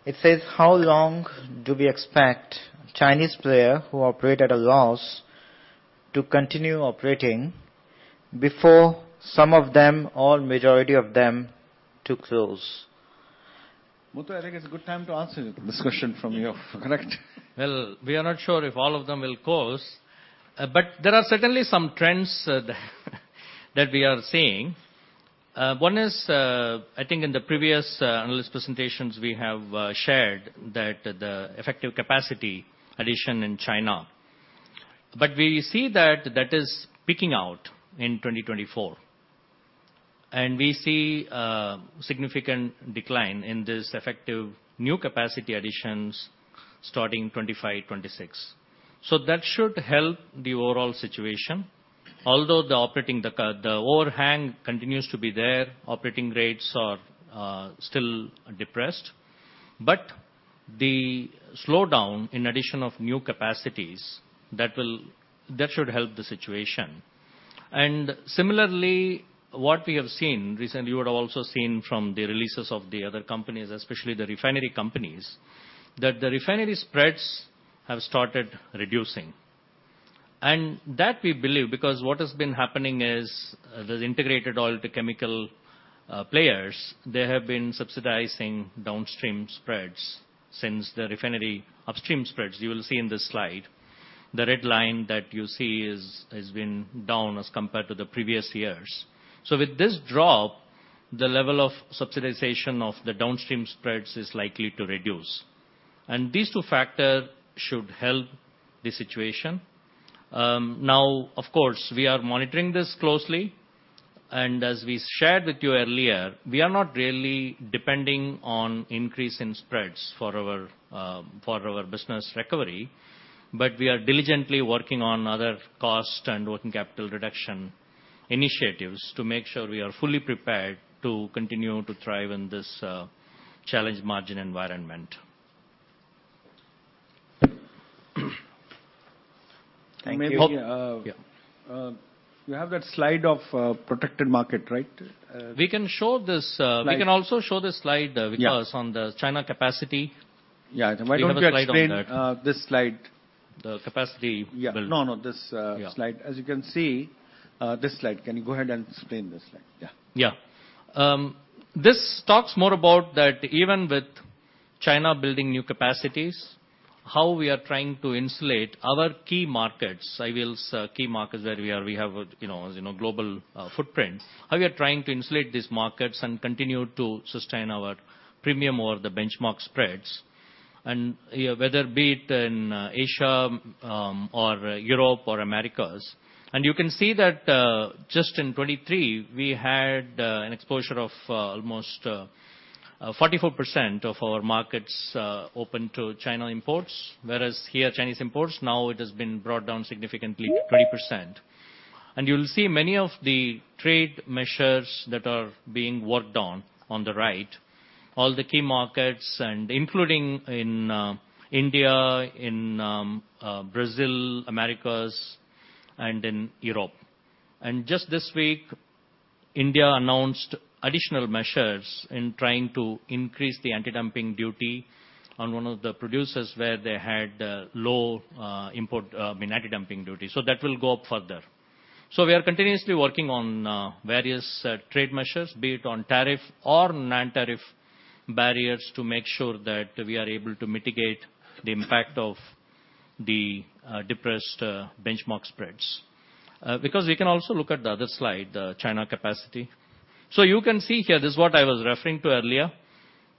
It says: "How long do we expect Chinese players, who operate at a loss, to continue operating before some of them or majority of them to close? Muthu, I think it's a good time to answer this question from you, correct? Well, we are not sure if all of them will close, but there are certainly some trends that we are seeing. One is, I think in the previous analyst presentations, we have shared that the effective capacity addition in China. But we see that that is peaking out in 2024, and we see a significant decline in this effective new capacity additions starting 2025, 2026. So that should help the overall situation. Although the capacity overhang continues to be there, operating rates are still depressed. But the slowdown in addition of new capacities, that should help the situation. And similarly, what we have seen recently, you would have also seen from the releases of the other companies, especially the refinery companies, that the refinery spreads have started reducing. That we believe, because what has been happening is, the integrated oil to chemical players, they have been subsidizing downstream spreads since the refinery upstream spreads. You will see in this slide, the red line that you see is has been down as compared to the previous years. So with this drop, the level of subsidization of the downstream spreads is likely to reduce, and these two factors should help the situation. Now, of course, we are monitoring this closely, and as we shared with you earlier, we are not really depending on increase in spreads for our, for our business recovery, but we are diligently working on other cost and working capital reduction initiatives to make sure we are fully prepared to continue to thrive in this, challenged margin environment. Thank you. Yeah. You have that slide of protected market, right? We can show this, Right. We can also show this slide. Yeah on the China capacity. Yeah, why don't you explain We have a slide on that. This slide? The capacity? Yeah. No, no, this, Yeah Slide. As you can see, this slide. Can you go ahead and explain this slide? Yeah. Yeah. This talks more about that even with China building new capacities, how we are trying to insulate our key markets, I will say, key markets that we have, you know, as you know, global footprint. How we are trying to insulate these markets and continue to sustain our premium over the benchmark spreads, and, yeah, whether be it in, Asia, or Europe, or Americas. And you can see that, just in 2023, we had, an exposure of, almost, 44% of our markets, open to China imports. Whereas here, Chinese imports, now it has been brought down significantly, 20%. And you'll see many of the trade measures that are being worked on, on the right, all the key markets and including in, India, in, Brazil, Americas, and in Europe. Just this week, India announced additional measures in trying to increase the anti-dumping duty on one of the producers, where they had low import mean anti-dumping duty. So that will go up further. So we are continuously working on various trade measures, be it on tariff or non-tariff barriers, to make sure that we are able to mitigate the impact of the depressed benchmark spreads. Because we can also look at the other slide, the China capacity. So you can see here, this is what I was referring to earlier.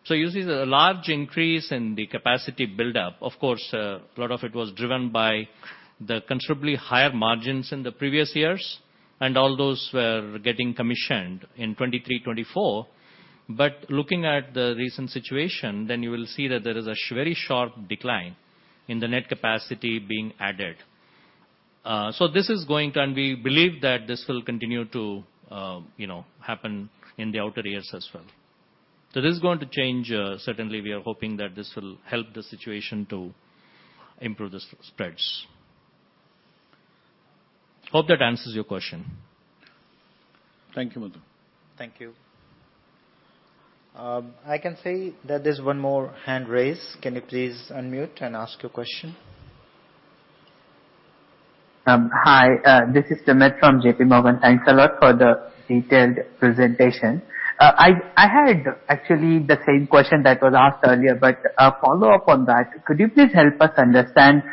So you see the large increase in the capacity buildup. Of course, a lot of it was driven by the considerably higher margins in the previous years, and all those were getting commissioned in 2023, 2024. But looking at the recent situation, then you will see that there is a very sharp decline in the net capacity being added. So this is going to. And we believe that this will continue to, you know, happen in the outer years as well. So this is going to change, certainly, we are hoping that this will help the situation to improve the spreads. Hope that answers your question. Thank you, Muthu. Thank you. I can see that there's one more hand raised. Can you please unmute and ask your question? Hi, this is Sumit from JPMorgan. Thanks a lot for the detailed presentation. I had actually the same question that was asked earlier, but follow up on that. Could you please help us understand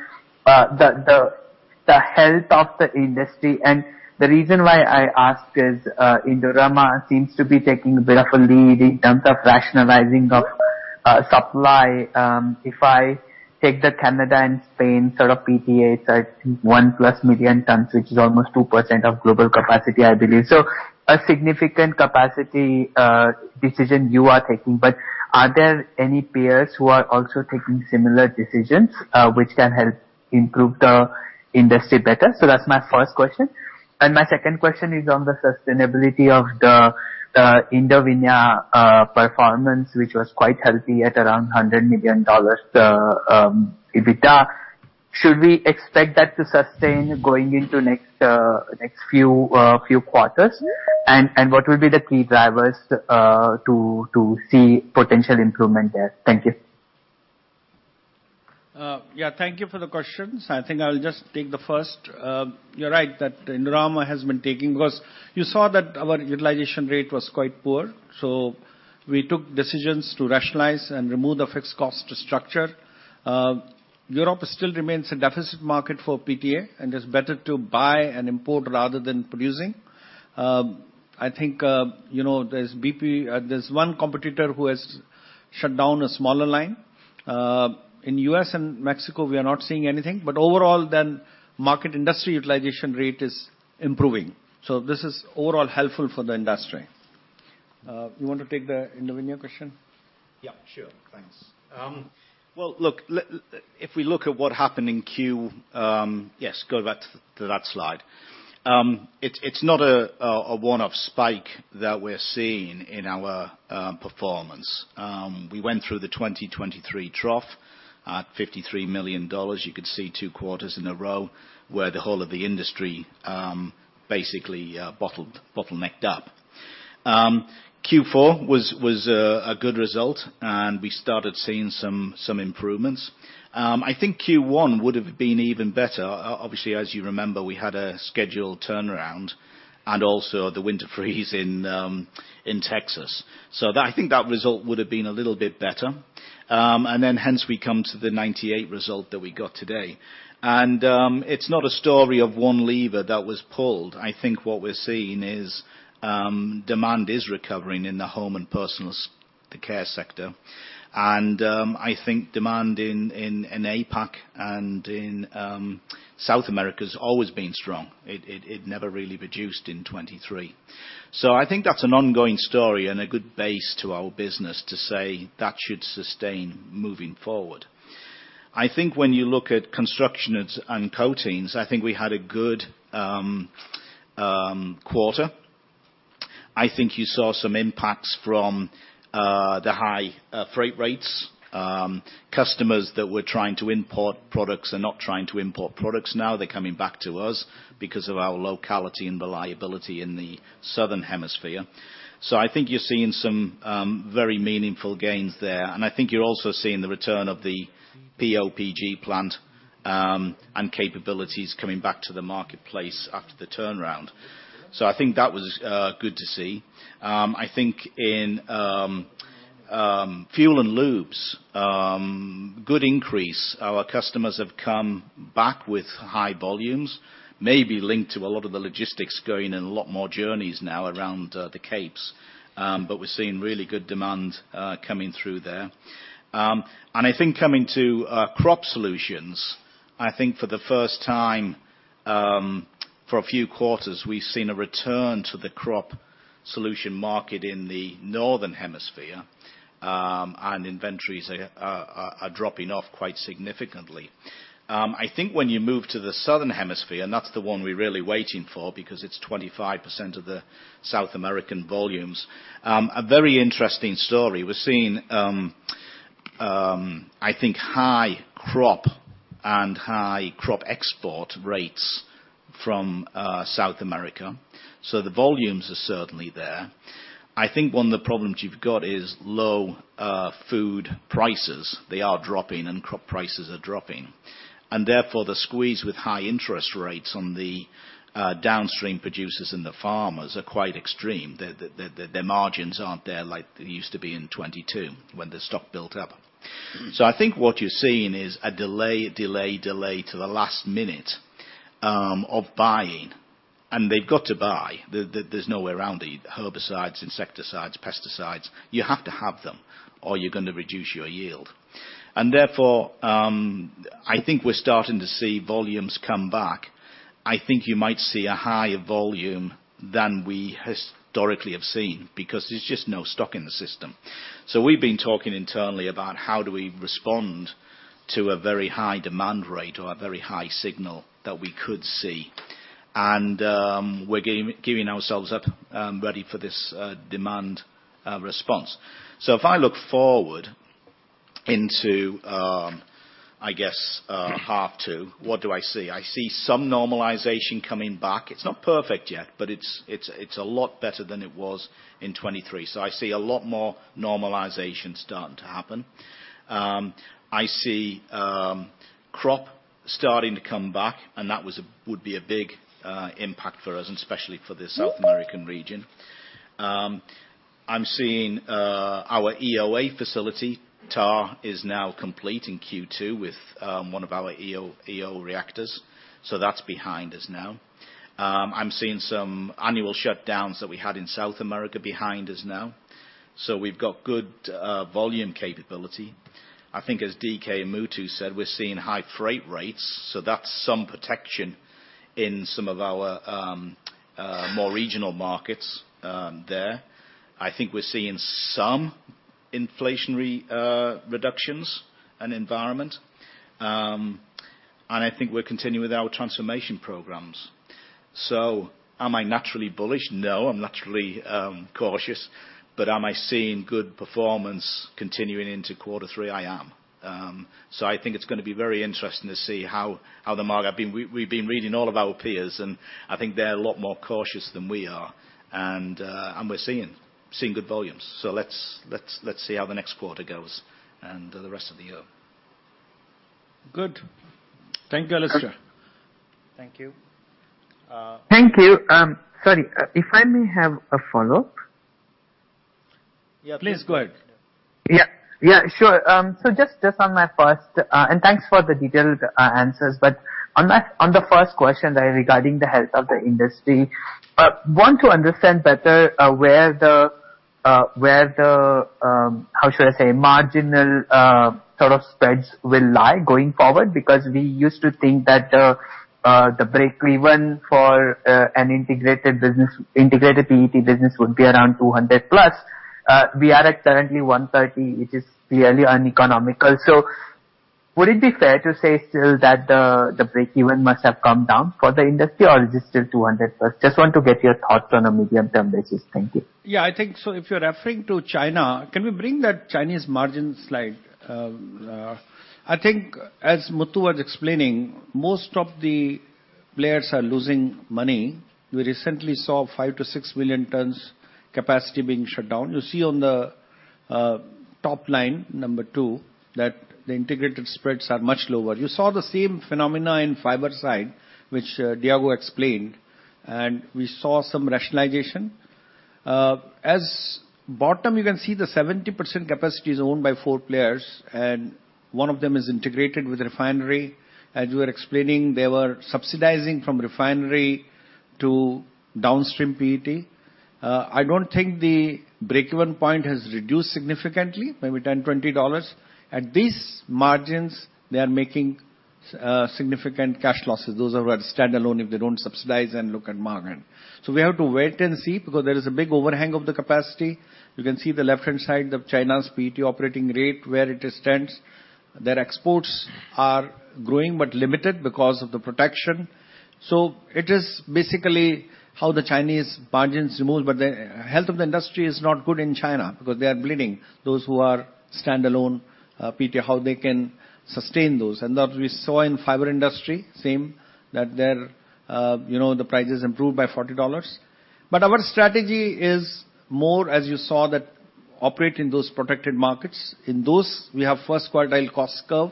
the health of the industry? And the reason why I ask is, Indorama seems to be taking a bit of a lead in terms of rationalizing of supply. If I take the Canada and Spain sort of PTAs at 1+ million tons, which is almost 2% of global capacity, I believe. So a significant capacity decision you are taking, but are there any peers who are also taking similar decisions, which can help improve the industry better? So that's my first question. And my second question is on the sustainability of the Indovinya performance, which was quite healthy at around $100 million EBITDA. Should we expect that to sustain going into next few quarters? And what will be the key drivers to see potential improvement there? Thank you. Yeah, thank you for the questions. I think I'll just take the first. You're right, that Indorama has been taking, because you saw that our utilization rate was quite poor, so we took decisions to rationalize and remove the fixed cost structure. Europe still remains a deficit market for PTA, and it's better to buy and import rather than producing. I think, you know, there's BP, there's one competitor who has shut down a smaller line. In U.S. and Mexico, we are not seeing anything, but overall, the market industry utilization rate is improving. So this is overall helpful for the industry. You want to take the Indovinya question? Yeah, sure. Thanks. Well, look, if we look at what happened in Q. Yes, go back to that slide. It's not a one-off spike that we're seeing in our performance. We went through the 2023 trough at $53 million. You could see 2 quarters in a row, where the whole of the industry basically bottlenecked up. Q4 was a good result, and we started seeing some improvements. I think Q1 would have been even better. Obviously, as you remember, we had a scheduled turnaround and also the winter freeze in Texas. So I think that result would have been a little bit better. And then hence we come to the 98 result that we got today. It's not a story of one lever that was pulled. I think what we're seeing is demand is recovering in the home and personal, the care sector. I think demand in APAC and in South America's always been strong. It never really reduced in 2023. So I think that's an ongoing story and a good base to our business to say that should sustain moving forward. I think when you look at construction and coatings, I think we had a good quarter. I think you saw some impacts from the high freight rates. Customers that were trying to import products are not trying to import products now. They're coming back to us because of our locality and reliability in the Southern Hemisphere. So I think you're seeing some, very meaningful gains there, and I think you're also seeing the return of the PO/PG plant, and capabilities coming back to the marketplace after the turnaround. So I think that was, good to see. I think in, fuel and lubes, good increase. Our customers have come back with high volumes, maybe linked to a lot of the logistics going in a lot more journeys now around, the Capes. But we're seeing really good demand, coming through there. And I think coming to, Crop Solutions, I think for the first time, for a few quarters, we've seen a return to the Crop Solutions market in the Northern Hemisphere, and inventories are dropping off quite significantly. I think when you move to the Southern Hemisphere, and that's the one we're really waiting for, because it's 25% of the South American volumes. A very interesting story. We're seeing, I think, high crop and high crop export rates from South America, so the volumes are certainly there. I think one of the problems you've got is low food prices. They are dropping, and crop prices are dropping. And therefore, the squeeze with high interest rates on the downstream producers and the farmers are quite extreme. Their margins aren't there like they used to be in 2022 when the stock built up. So I think what you're seeing is a delay, delay, delay to the last minute of buying, and they've got to buy. There's no way around the herbicides, insecticides, pesticides. You have to have them, or you're gonna reduce your yield. Therefore, I think we're starting to see volumes come back. I think you might see a higher volume than we historically have seen, because there's just no stock in the system. We've been talking internally about how do we respond to a very high demand rate or a very high signal that we could see. And we're giving ourselves up, ready for this demand response. So if I look forward into I guess half two, what do I see? I see some normalization coming back. It's not perfect yet, but it's a lot better than it was in 2023. I see a lot more normalization starting to happen. I see crop starting to come back, and that would be a big impact for us, especially for the South American region. I'm seeing our EOA facility, TAR, is now complete in Q2 with one of our EO reactors, so that's behind us now. I'm seeing some annual shutdowns that we had in South America behind us now. So we've got good volume capability. I think as DK and Muthu said, we're seeing high freight rates, so that's some protection in some of our more regional markets there. I think we're seeing some inflationary reductions in environment. I think we're continuing with our transformation programs. So am I naturally bullish? No, I'm naturally cautious. But am I seeing good performance continuing into quarter three? I am. So I think it's gonna be very interesting to see how the market... I mean, we've been reading all of our peers, and I think they're a lot more cautious than we are. And we're seeing good volumes. So let's see how the next quarter goes and the rest of the year. Good. Thank you, Alastair. Thank you. Thank you. Sorry, if I may have a follow-up? Yeah. Please go ahead. Yeah. Yeah, sure. So just, just on my first... And thanks for the detailed answers, but on my, on the first question, regarding the health of the industry, want to understand better, where the, where the, how should I say, marginal, sort of spreads will lie going forward? Because we used to think that the, the break-even for, an integrated business, Integrated PET business would be around $200+. We are at currently $130, which is clearly uneconomical. So would it be fair to say still that the, the break-even must have come down for the industry, or is it still $200+? Just want to get your thoughts on a medium-term basis. Thank you. Yeah, I think so. If you're referring to China, can we bring that Chinese margin slide? I think as Muthu was explaining, most of the players are losing money. We recently saw 5 million tons to 6 million tons capacity being shut down. You see on the top line, number two, that the integrated spreads are much lower. You saw the same phenomena in fiber side, which Diego explained, and we saw some rationalization. At the bottom, you can see the 70% capacity is owned by four players, and one of them is integrated with refinery. As you were explaining, they were subsidizing from refinery to downstream PET. I don't think the break-even point has reduced significantly, maybe $10 to 20. At these margins, they are making significant cash losses. Those are standalone if they don't subsidize and look at margin. So we have to wait and see because there is a big overhang of the capacity. You can see the left-hand side of China's PET operating rate, where it stands. Their exports are growing but limited because of the protection. So it is basically how the Chinese margins remove, but the health of the industry is not good in China because they are bleeding, those who are standalone PTA, how they can sustain those. And that we saw in fiber industry, same, that their, you know, the prices improved by $40. But our strategy is more, as you saw, that operate in those protected markets. In those, we have first quartile cost curve.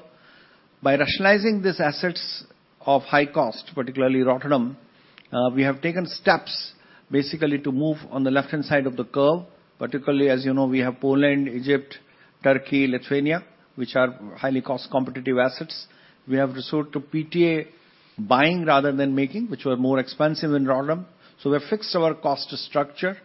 By rationalizing these assets of high cost, particularly Rotterdam, we have taken steps basically to move on the left-hand side of the curve, particularly as you know, we have Poland, Egypt, Turkey, Lithuania, which are highly cost competitive assets. We have resorted to PTA buying rather than making, which were more expensive in Rotterdam. So we have fixed our cost structure,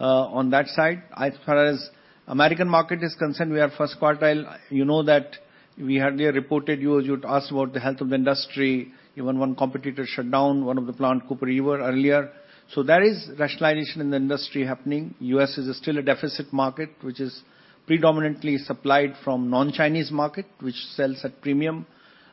on that side. As far as American market is concerned, we are first quartile. You know that we hardly reported you, as you'd asked about the health of the industry, even one competitor shut down one of the plant, Cooper River, earlier. So there is rationalization in the industry happening. U.S. is still a deficit market, which is predominantly supplied from non-Chinese market, which sells at premium.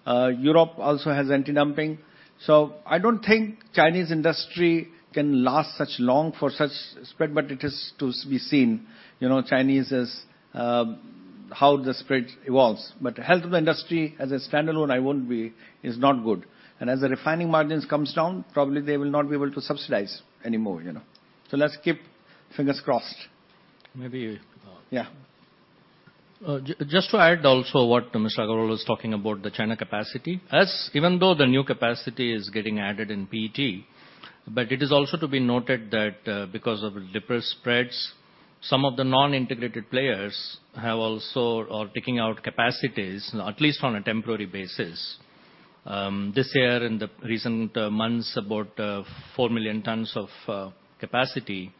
Europe also has anti-dumping. So I don't think Chinese industry can last such long for such spread, but it is to be seen. You know, Chinese is, how the spread evolves. But health of the industry as a standalone, I won't be, is not good. And as the refining margins comes down, probably they will not be able to subsidize anymore, you know. So let's keep fingers crossed. Maybe, uh, Yeah. Just to add also what Mr. Agarwal is talking about, the China capacity. As even though the new capacity is getting added in PET, but it is also to be noted that, because of depressed spreads, some of the non-integrated players have also are taking out capacities, at least on a temporary basis. This year, in the recent months, about 4 million tons of capacity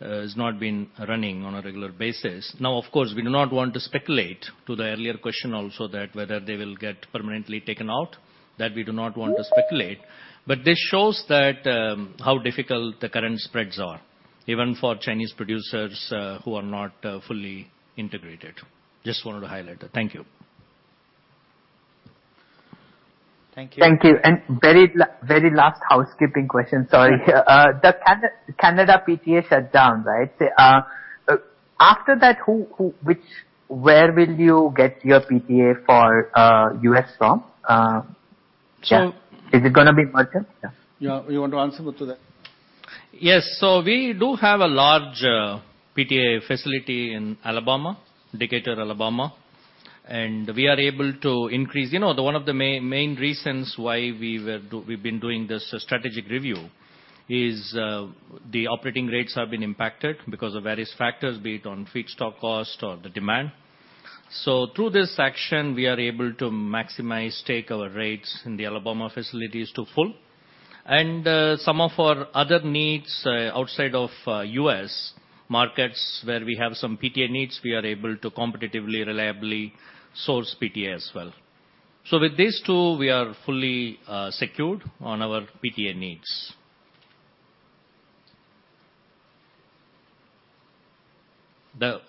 has not been running on a regular basis. Now, of course, we do not want to speculate to the earlier question also that whether they will get permanently taken out, that we do not want to speculate. But this shows that, how difficult the current spreads are, even for Chinese producers, who are not fully integrated. Just wanted to highlight that. Thank you. Thank you. Thank you. And very last housekeeping question, sorry. The Canadian PTA shut down, right? After that, where will you get your PTA for US from? So- Yeah. Is it gonna be merchant? Yeah. Yeah. You want to answer, Muthu, that? Yes. So we do have a large PTA facility in Alabama, Decatur, Alabama. And we are able to increase. You know, the one of the main, main reasons why we've been doing this strategic review is, the operating rates have been impacted because of various factors, be it on feedstock cost or the demand. So through this action, we are able to maximize, take our rates in the Alabama facilities to full. And, some of our other needs, outside of, US markets, where we have some PTA needs, we are able to competitively, reliably source PTA as well. So with these two, we are fully secured on our PTA needs.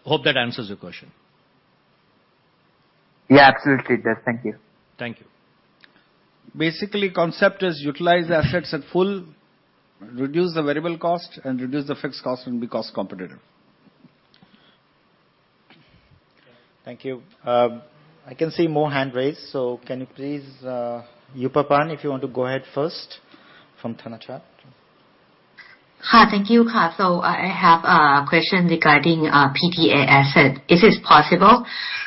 Hope that answers your question. Yeah, absolutely it does. Thank you. Thank you. Basically, concept is utilize the assets at full, reduce the variable cost, and reduce the fixed cost and be cost competitive. Thank you. I can see more hands raised, so can you please, Upapan, if you want to go ahead first from Thanachart? Hi, thank you. So I have a question regarding PTA asset. Is it possible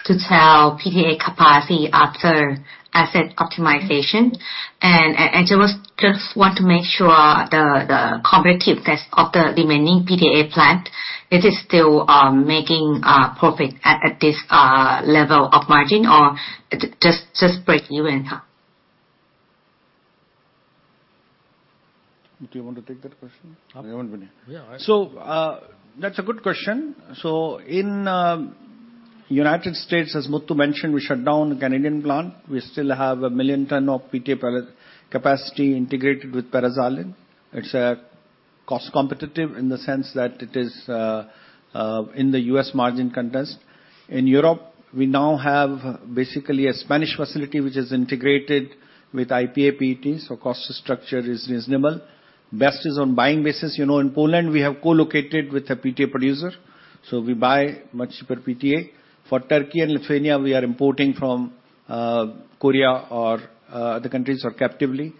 to sell PTA capacity after asset optimization? And I just want to make sure the competitiveness of the remaining PTA plant, it is still making profit at this level of margin, or just break even, huh? Do you want to take that question? You want, Muthu? Yeah, I So, that's a good question. In United States, as Muthu mentioned, we shut down the Canadian plant. We still have 1 million ton of PTA product capacity integrated with paraxylene. It's cost competitive in the sense that it is in the U.S. margin contest. In Europe, we now have basically a Spanish facility which is integrated with IPA PET, so cost structure is reasonable. Best is on buying basis. You know, in Poland, we have co-located with a PTA producer, so we buy much cheaper PTA. For Turkey and Lithuania, we are importing from Korea or other countries for captively.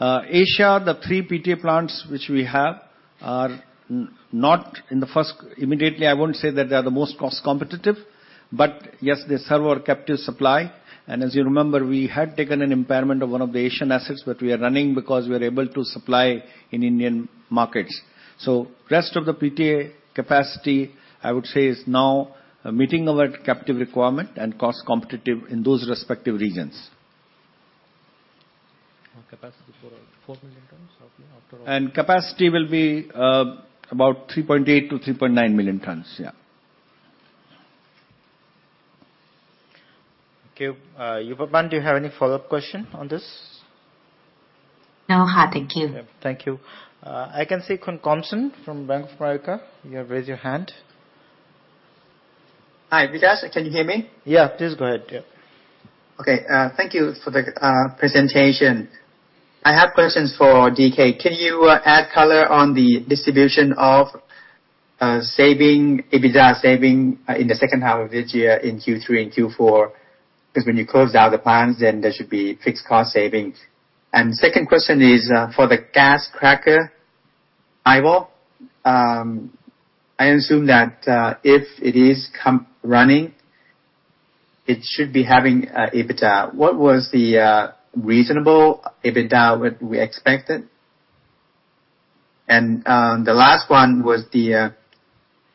Asia, the three PTA plants which we have are not in the first. Immediately, I won't say that they are the most cost competitive, but yes, they serve our captive supply. As you remember, we had taken an impairment of one of the Asian assets that we are running because we are able to supply in Indian markets. So rest of the PTA capacity, I would say, is now meeting our captive requirement and cost competitive in those respective regions. Our capacity for 4 million tons after- Capacity will be about 3.8 million ton to 3.9 million tons. Yeah. Okay. Upapan, do you have any follow-up question on this? No, huh. Thank you. Yeah. Thank you. I can see Khun Komsan from Bank of America. You have raised your hand. Hi, Vikas, can you hear me? Yeah, please go ahead. Yeah. Okay, thank you for the presentation. I have questions for DK. Can you add color on the distribution of saving, EBITDA saving, in the second half of this year, in Q3 and Q4? Because when you close out the plants, then there should be fixed cost savings. And second question is, for the gas cracker, IVOL. I assume that, if it is come running, it should be having EBITDA. What was the reasonable EBITDA would we expected? And, the last one was the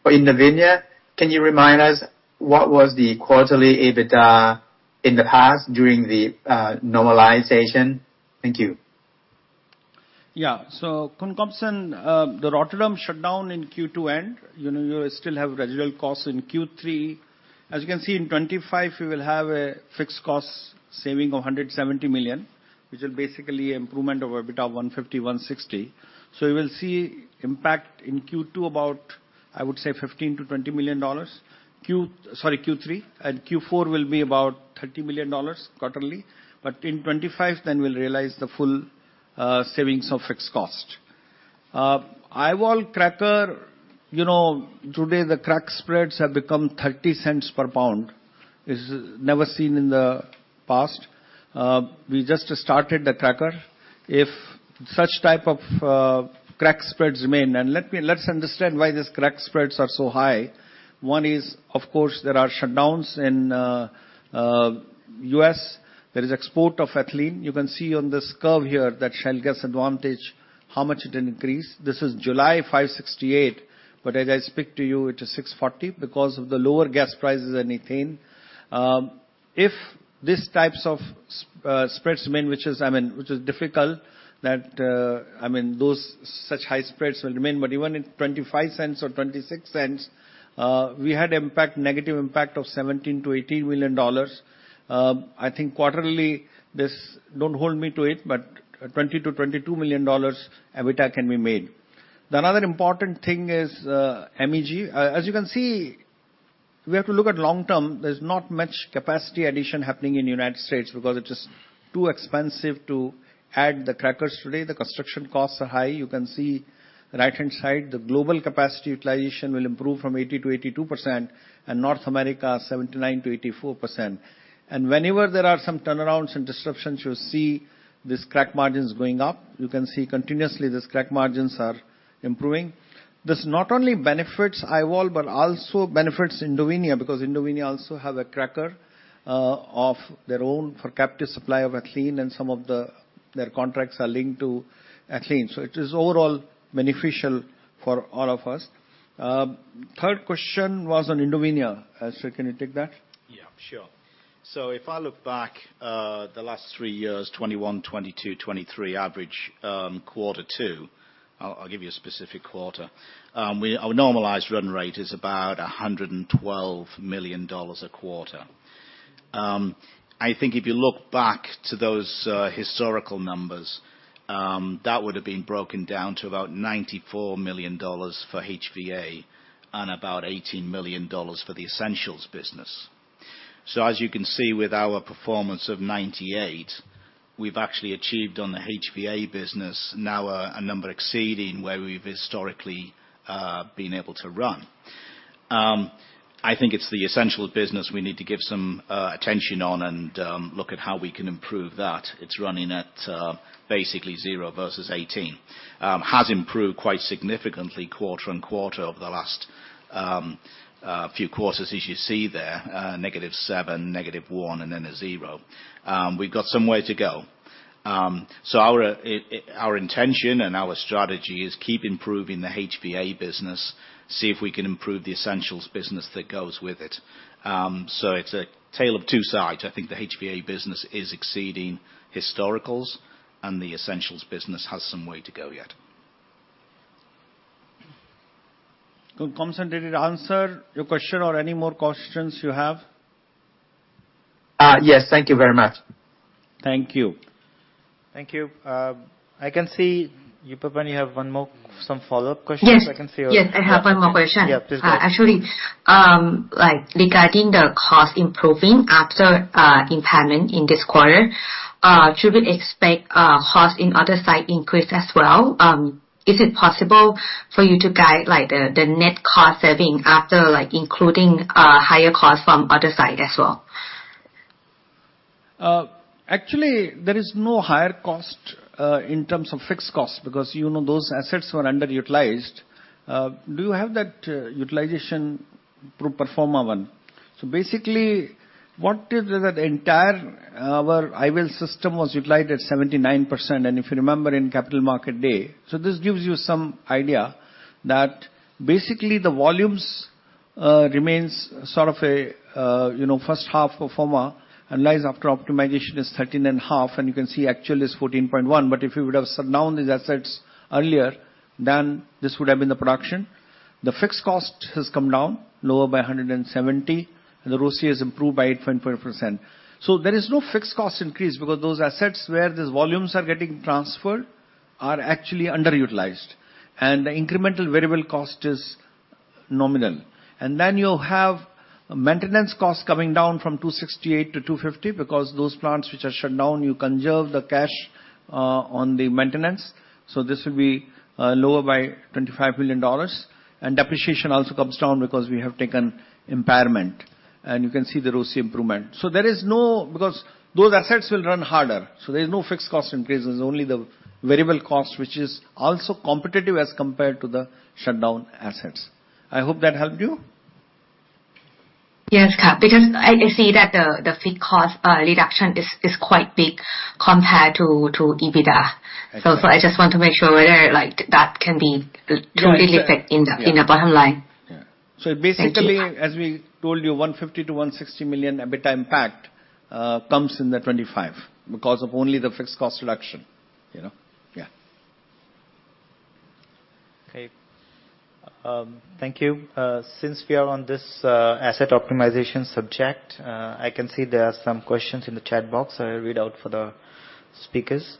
in Indovinya, can you remind us what was the quarterly EBITDA in the past, during the normalization? Thank you. Yeah. So Komsan, the Rotterdam shutdown in Q2 end, you know, you still have residual costs in Q3. As you can see, in 2025, we will have a fixed cost saving of $170 million, which is basically improvement of EBITDA $150 million to 160 million. So you will see impact in Q2 about, I would say, $15 million to 20 million. Sorry, Q3 and Q4 will be about $30 million quarterly. But in 2025, then we'll realize the full savings of fixed cost. IVOL cracker, you know, today, the crack spreads have become $0.30 per pound. It's never seen in the past. We just started the cracker. If such type of crack spreads remain. And let's understand why these crack spreads are so high. One is, of course, there are shutdowns in U.S. There is export of Ethylene. You can see on this curve here, that Shale Gas advantage, how much it increased. This is July 56.8, but as I speak to you, it is 64.0 because of the lower gas prices and ethane. If these types of spreads remain, which is, I mean, which is difficult, that, I mean, those such high spreads will remain, but even in 25 cents or 26 cents, we had impact, negative impact of $17 million to 18 million. I think quarterly, this, don't hold me to it, but $20 million to 22 million EBITDA can be made. Another important thing is, MEG. As you can see, we have to look at long term. There's not much capacity addition happening in the United States because it is too expensive to add the crackers today. The construction costs are high. You can see right-hand side, the global capacity utilization will improve from 80% to 82%, and North America, 79% to 84%. And whenever there are some turnarounds and disruptions, you'll see these crack margins going up. You can see continuously, these crack margins are improving. This not only benefits IVOL, but also benefits Indovinya, because Indovinya also have a cracker of their own for captive supply of ethylene, and some of the, their contracts are linked to ethylene. So it is overall beneficial for all of us. Third question was on Indovinya. So can you take that? Yeah, sure. So if I look back, the last three years, 2021, 2022, 2023, average Q2, I'll give you a specific quarter. Our normalized run rate is about $112 million a quarter. I think if you look back to those historical numbers, that would have been broken down to about $94 million for HVA and about $18 million for the essentials business. So as you can see, with our performance of $98, we've actually achieved on the HVA business now a number exceeding where we've historically been able to run. I think it's the essential business we need to give some attention on and look at how we can improve that. It's running at basically 0 versus 18. Has improved quite significantly quarter-on-quarter over the last few quarters, as you see there. Negative seven, negative one, and then a zero. We've got some way to go. Our intention and our strategy is keep improving the HVA business, see if we can improve the essentials business that goes with it. So it's a tale of two sides. I think the HVA business is exceeding historicals, and the essentials business has some way to go yet. Komsan, did it answer your question or any more questions you have? Yes. Thank you very much. Thank you. Thank you. I can see you, Parth, you have one more, some follow-up questions? Yes. I can see your Yes, I have one more question. Yeah, please go ahead. Actually, like, regarding the cost improving after impairment in this quarter, should we expect cost in other site increase as well? Is it possible for you to guide, like, the net cost saving after, like, including higher costs from other side as well? Actually, there is no higher cost in terms of fixed costs, because, you know, those assets were underutilized. Do you have that utilization pro forma one? So basically, what is that entire IVOL system was utilized at 79%, and if you remember in Capital Market Day, so this gives you some idea that basically the volumes remains sort of a you know, first half pro forma, and lies after optimization is 13.5, and you can see actual is 14.1. But if you would have shut down these assets earlier, then this would have been the production. The fixed cost has come down, lower by $170, and the ROCE has improved by 8.4%. So there is no fixed cost increase, because those assets where these volumes are getting transferred-... are actually underutilized, and the incremental variable cost is nominal. And then you have maintenance costs coming down from $268 to $250, because those plants which are shut down, you conserve the cash, on the maintenance, so this will be, lower by $25 million. And depreciation also comes down because we have taken impairment, and you can see the ROCE improvement. So there is no, because those assets will run harder, so there is no fixed cost increase. There's only the variable cost, which is also competitive as compared to the shutdown assets. I hope that helped you? Yes, Kap, because I see that the fixed cost reduction is quite big compared to EBITDA. Exactly. I just want to make sure whether, like, that can be- Sure. Really affect in the Yeah in the bottom line. Yeah. Thank you. So basically, as we told you, $150 million to $160 million EBITDA impact comes in 2025 because of only the fixed cost reduction, you know? Yeah. Okay. Thank you. Since we are on this Asset Optimization subject, I can see there are some questions in the chat box, so I read out for the speakers.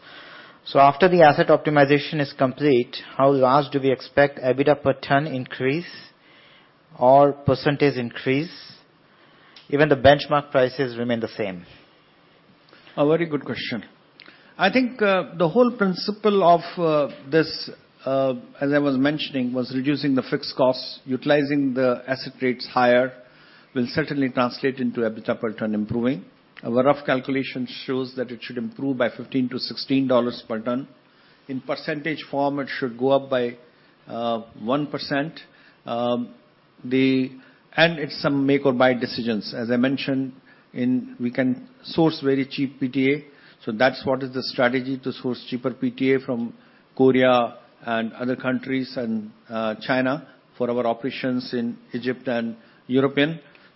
So after the Asset Optimization is complete, how large do we expect EBITDA per ton increase or percentage increase, even the benchmark prices remain the same? A very good question. I think, the whole principle of, this, as I was mentioning, was reducing the fixed costs. Utilizing the asset rates higher will certainly translate into EBITDA per ton improving. A rough calculation shows that it should improve by $15 to $16 per ton. In percentage form, it should go up by, 1%. And it's some make or buy decisions. As I mentioned, in, we can source very cheap PTA, so that's what is the strategy, to source cheaper PTA from Korea and other countries, and, China, for our operations in Egypt and Europe.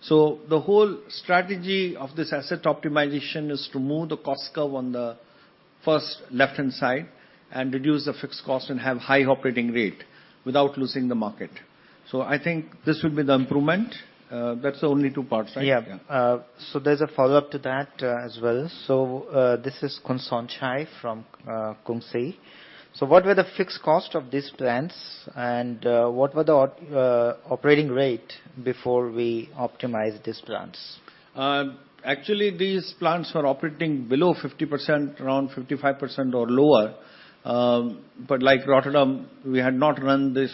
So the whole strategy of this asset optimization is to move the cost curve on the first left-hand side and reduce the fixed cost and have high operating rate without losing the market. So I think this would be the improvement. That's the only two parts, right? Yeah. Yeah. There's a follow-up to that as well. This is Kansorn from Krungsri. What were the fixed cost of these plants, and what were the operating rate before we optimized these plants? Actually, these plants were operating below 50%, around 55% or lower. But like Rotterdam, we had not run this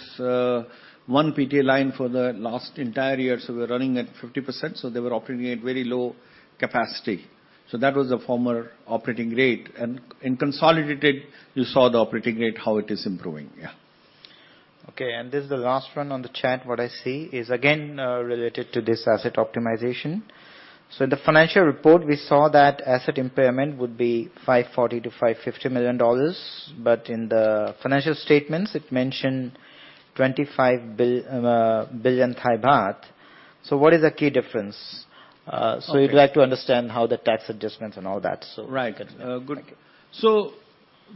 one PTA line for the last entire year, so we're running at 50%, so they were operating at very low capacity. So that was the former operating rate. In consolidated, you saw the operating rate, how it is improving. Yeah. Okay, and this is the last one on the chat. What I see is, again, related to this asset optimization. So in the financial report, we saw that asset impairment would be $540 million to 550 million, but in the financial statements, it mentioned 25 billion baht. So what is the key difference? Okay. We'd like to understand how the tax adjustments and all that, so- Right. Good. Good. Thank you. So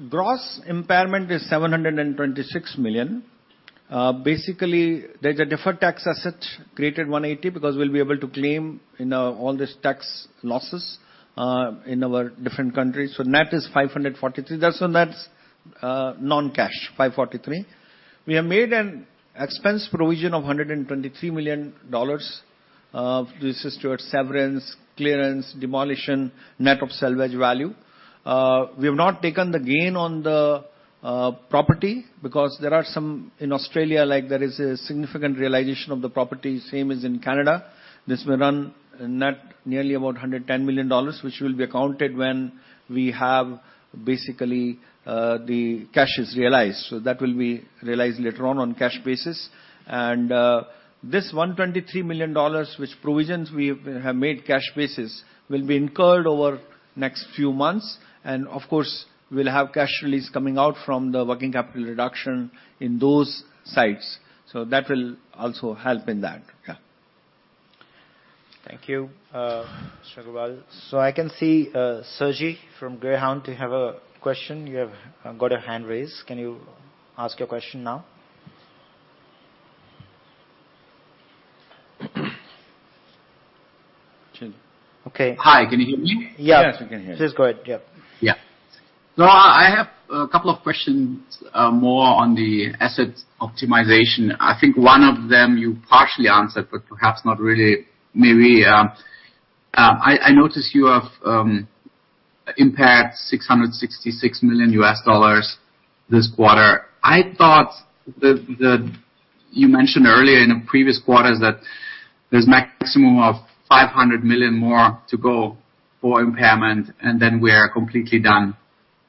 gross impairment is $726 million. Basically, there's a deferred tax asset, created $180 million, because we'll be able to claim, you know, all these tax losses, in our different countries. So net is $543 million. That's so net, non-cash, $543 million. We have made an expense provision of $123 million. This is towards severance, clearance, demolition, net of salvage value. We have not taken the gain on the, property because there are some... In Australia, like, there is a significant realization of the property, same as in Canada. This will run a net nearly about $110 million, which will be accounted when we have basically, the cash is realized. So that will be realized later on, on cash basis. This $123 million, which provisions we have have made cash basis, will be incurred over next few months. Of course, we'll have cash release coming out from the working capital reduction in those sites. So that will also help in that. Yeah. Thank you, Mr. Agarwal. So I can see, Sergey from Goehring & Rozencwajg, you have a question. You have got a hand raised. Can you ask your question now? Okay. Hi, can you hear me? Yeah. Yes, we can hear you. Please go ahead. Yeah. Yeah. So I have a couple of questions more on the asset optimization. I think one of them you partially answered, but perhaps not really. Maybe I notice you have impaired $666 million this quarter. I thought you mentioned earlier in the previous quarters that there's maximum of $500 million more to go for impairment, and then we are completely done.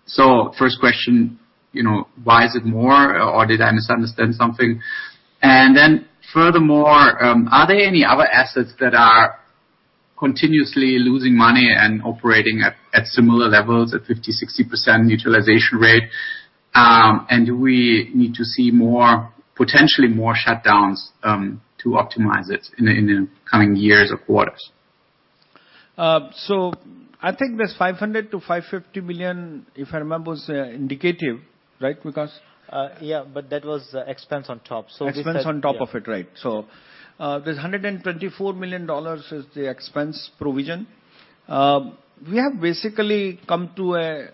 So first question, you know, why is it more, or did I misunderstand something? And then furthermore, are there any other assets that are continuously losing money and operating at similar levels, at 50% to 60% utilization rate? And do we need to see more, potentially more shutdowns, to optimize it in the coming years or quarters? So I think this $500 million to 550 million, if I remember, was indicative, right, Vikas? Yeah, but that was expense on top, so. Expense on top of it, right. So, this $124 million is the expense provision. We have basically come to a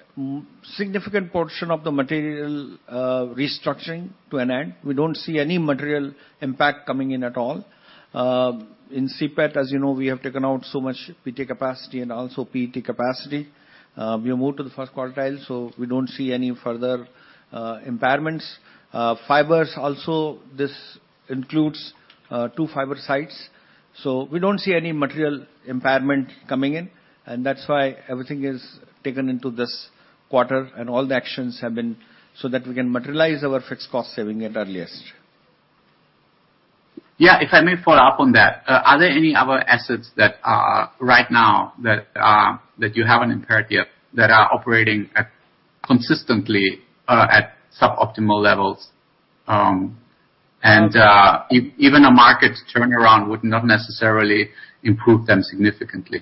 significant portion of the material restructuring to an end. We don't see any material impact coming in at all. In CPET, as you know, we have taken out so much PT capacity and also PET capacity. We have moved to the first quartile, so we don't see any further impairments. Fibers also, this includes two fiber sites. So we don't see any material impairment coming in, and that's why everything is taken into this quarter and all the actions have been so that we can materialize our fixed cost saving at earliest. Yeah, if I may follow up on that. Are there any other assets that are, right now, that are, that you haven't impaired yet, that are operating at consistently, at suboptimal levels, and even a market turnaround would not necessarily improve them significantly?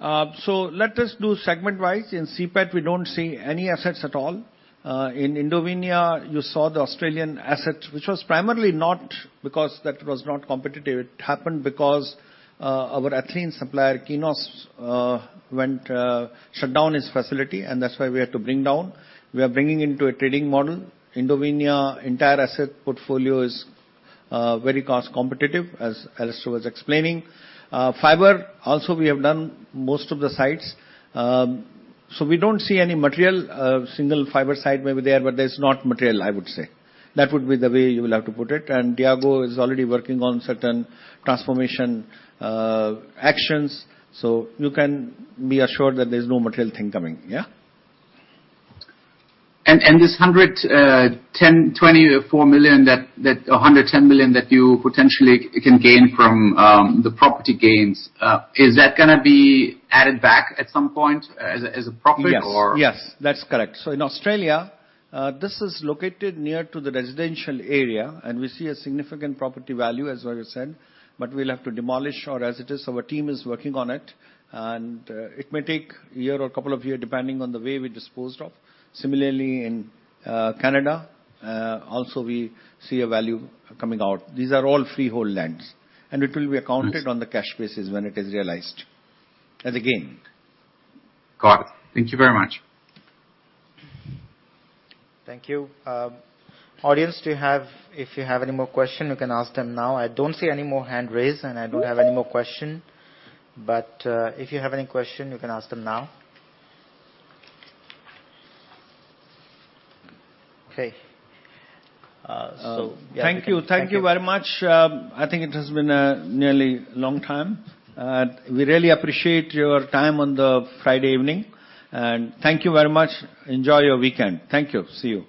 So let us do segment-wise. In CPET, we don't see any assets at all. In Indovinya, you saw the Australian asset, which was primarily not because that was not competitive. It happened because our ethylene supplier, Qenos, went shut down its facility, and that's why we had to bring down. We are bringing into a trading model. Indovinya entire asset portfolio is very cost competitive, as Alastair was explaining. Fiber, also, we have done most of the sites. So we don't see any material single fiber site may be there, but there's not material, I would say. That would be the way you will have to put it, and Diego is already working on certain transformation actions, so you can be assured that there's no material thing coming. Yeah? This $110.24 million, that $110 million that you potentially can gain from the property gains, is that gonna be added back at some point as a profit or? Yes. Yes, that's correct. So in Australia, this is located near to the residential area, and we see a significant property value, as Agarwal said, but we'll have to demolish or as it is, our team is working on it, and, it may take a year or a couple of years, depending on the way we disposed of. Similarly, in, Canada, also we see a value coming out. These are all freehold lands, and it will be accounted Yes on the cash basis when it is realized as a gain. Got it. Thank you very much. Thank you. Audience, do you have if you have any more question, you can ask them now. I don't see any more hand raised, and I don't have any more question, but if you have any question, you can ask them now. Okay. So, Thank you. Thank you very much. I think it has been a nearly long time. We really appreciate your time on the Friday evening, and thank you very much. Enjoy your weekend. Thank you. See you.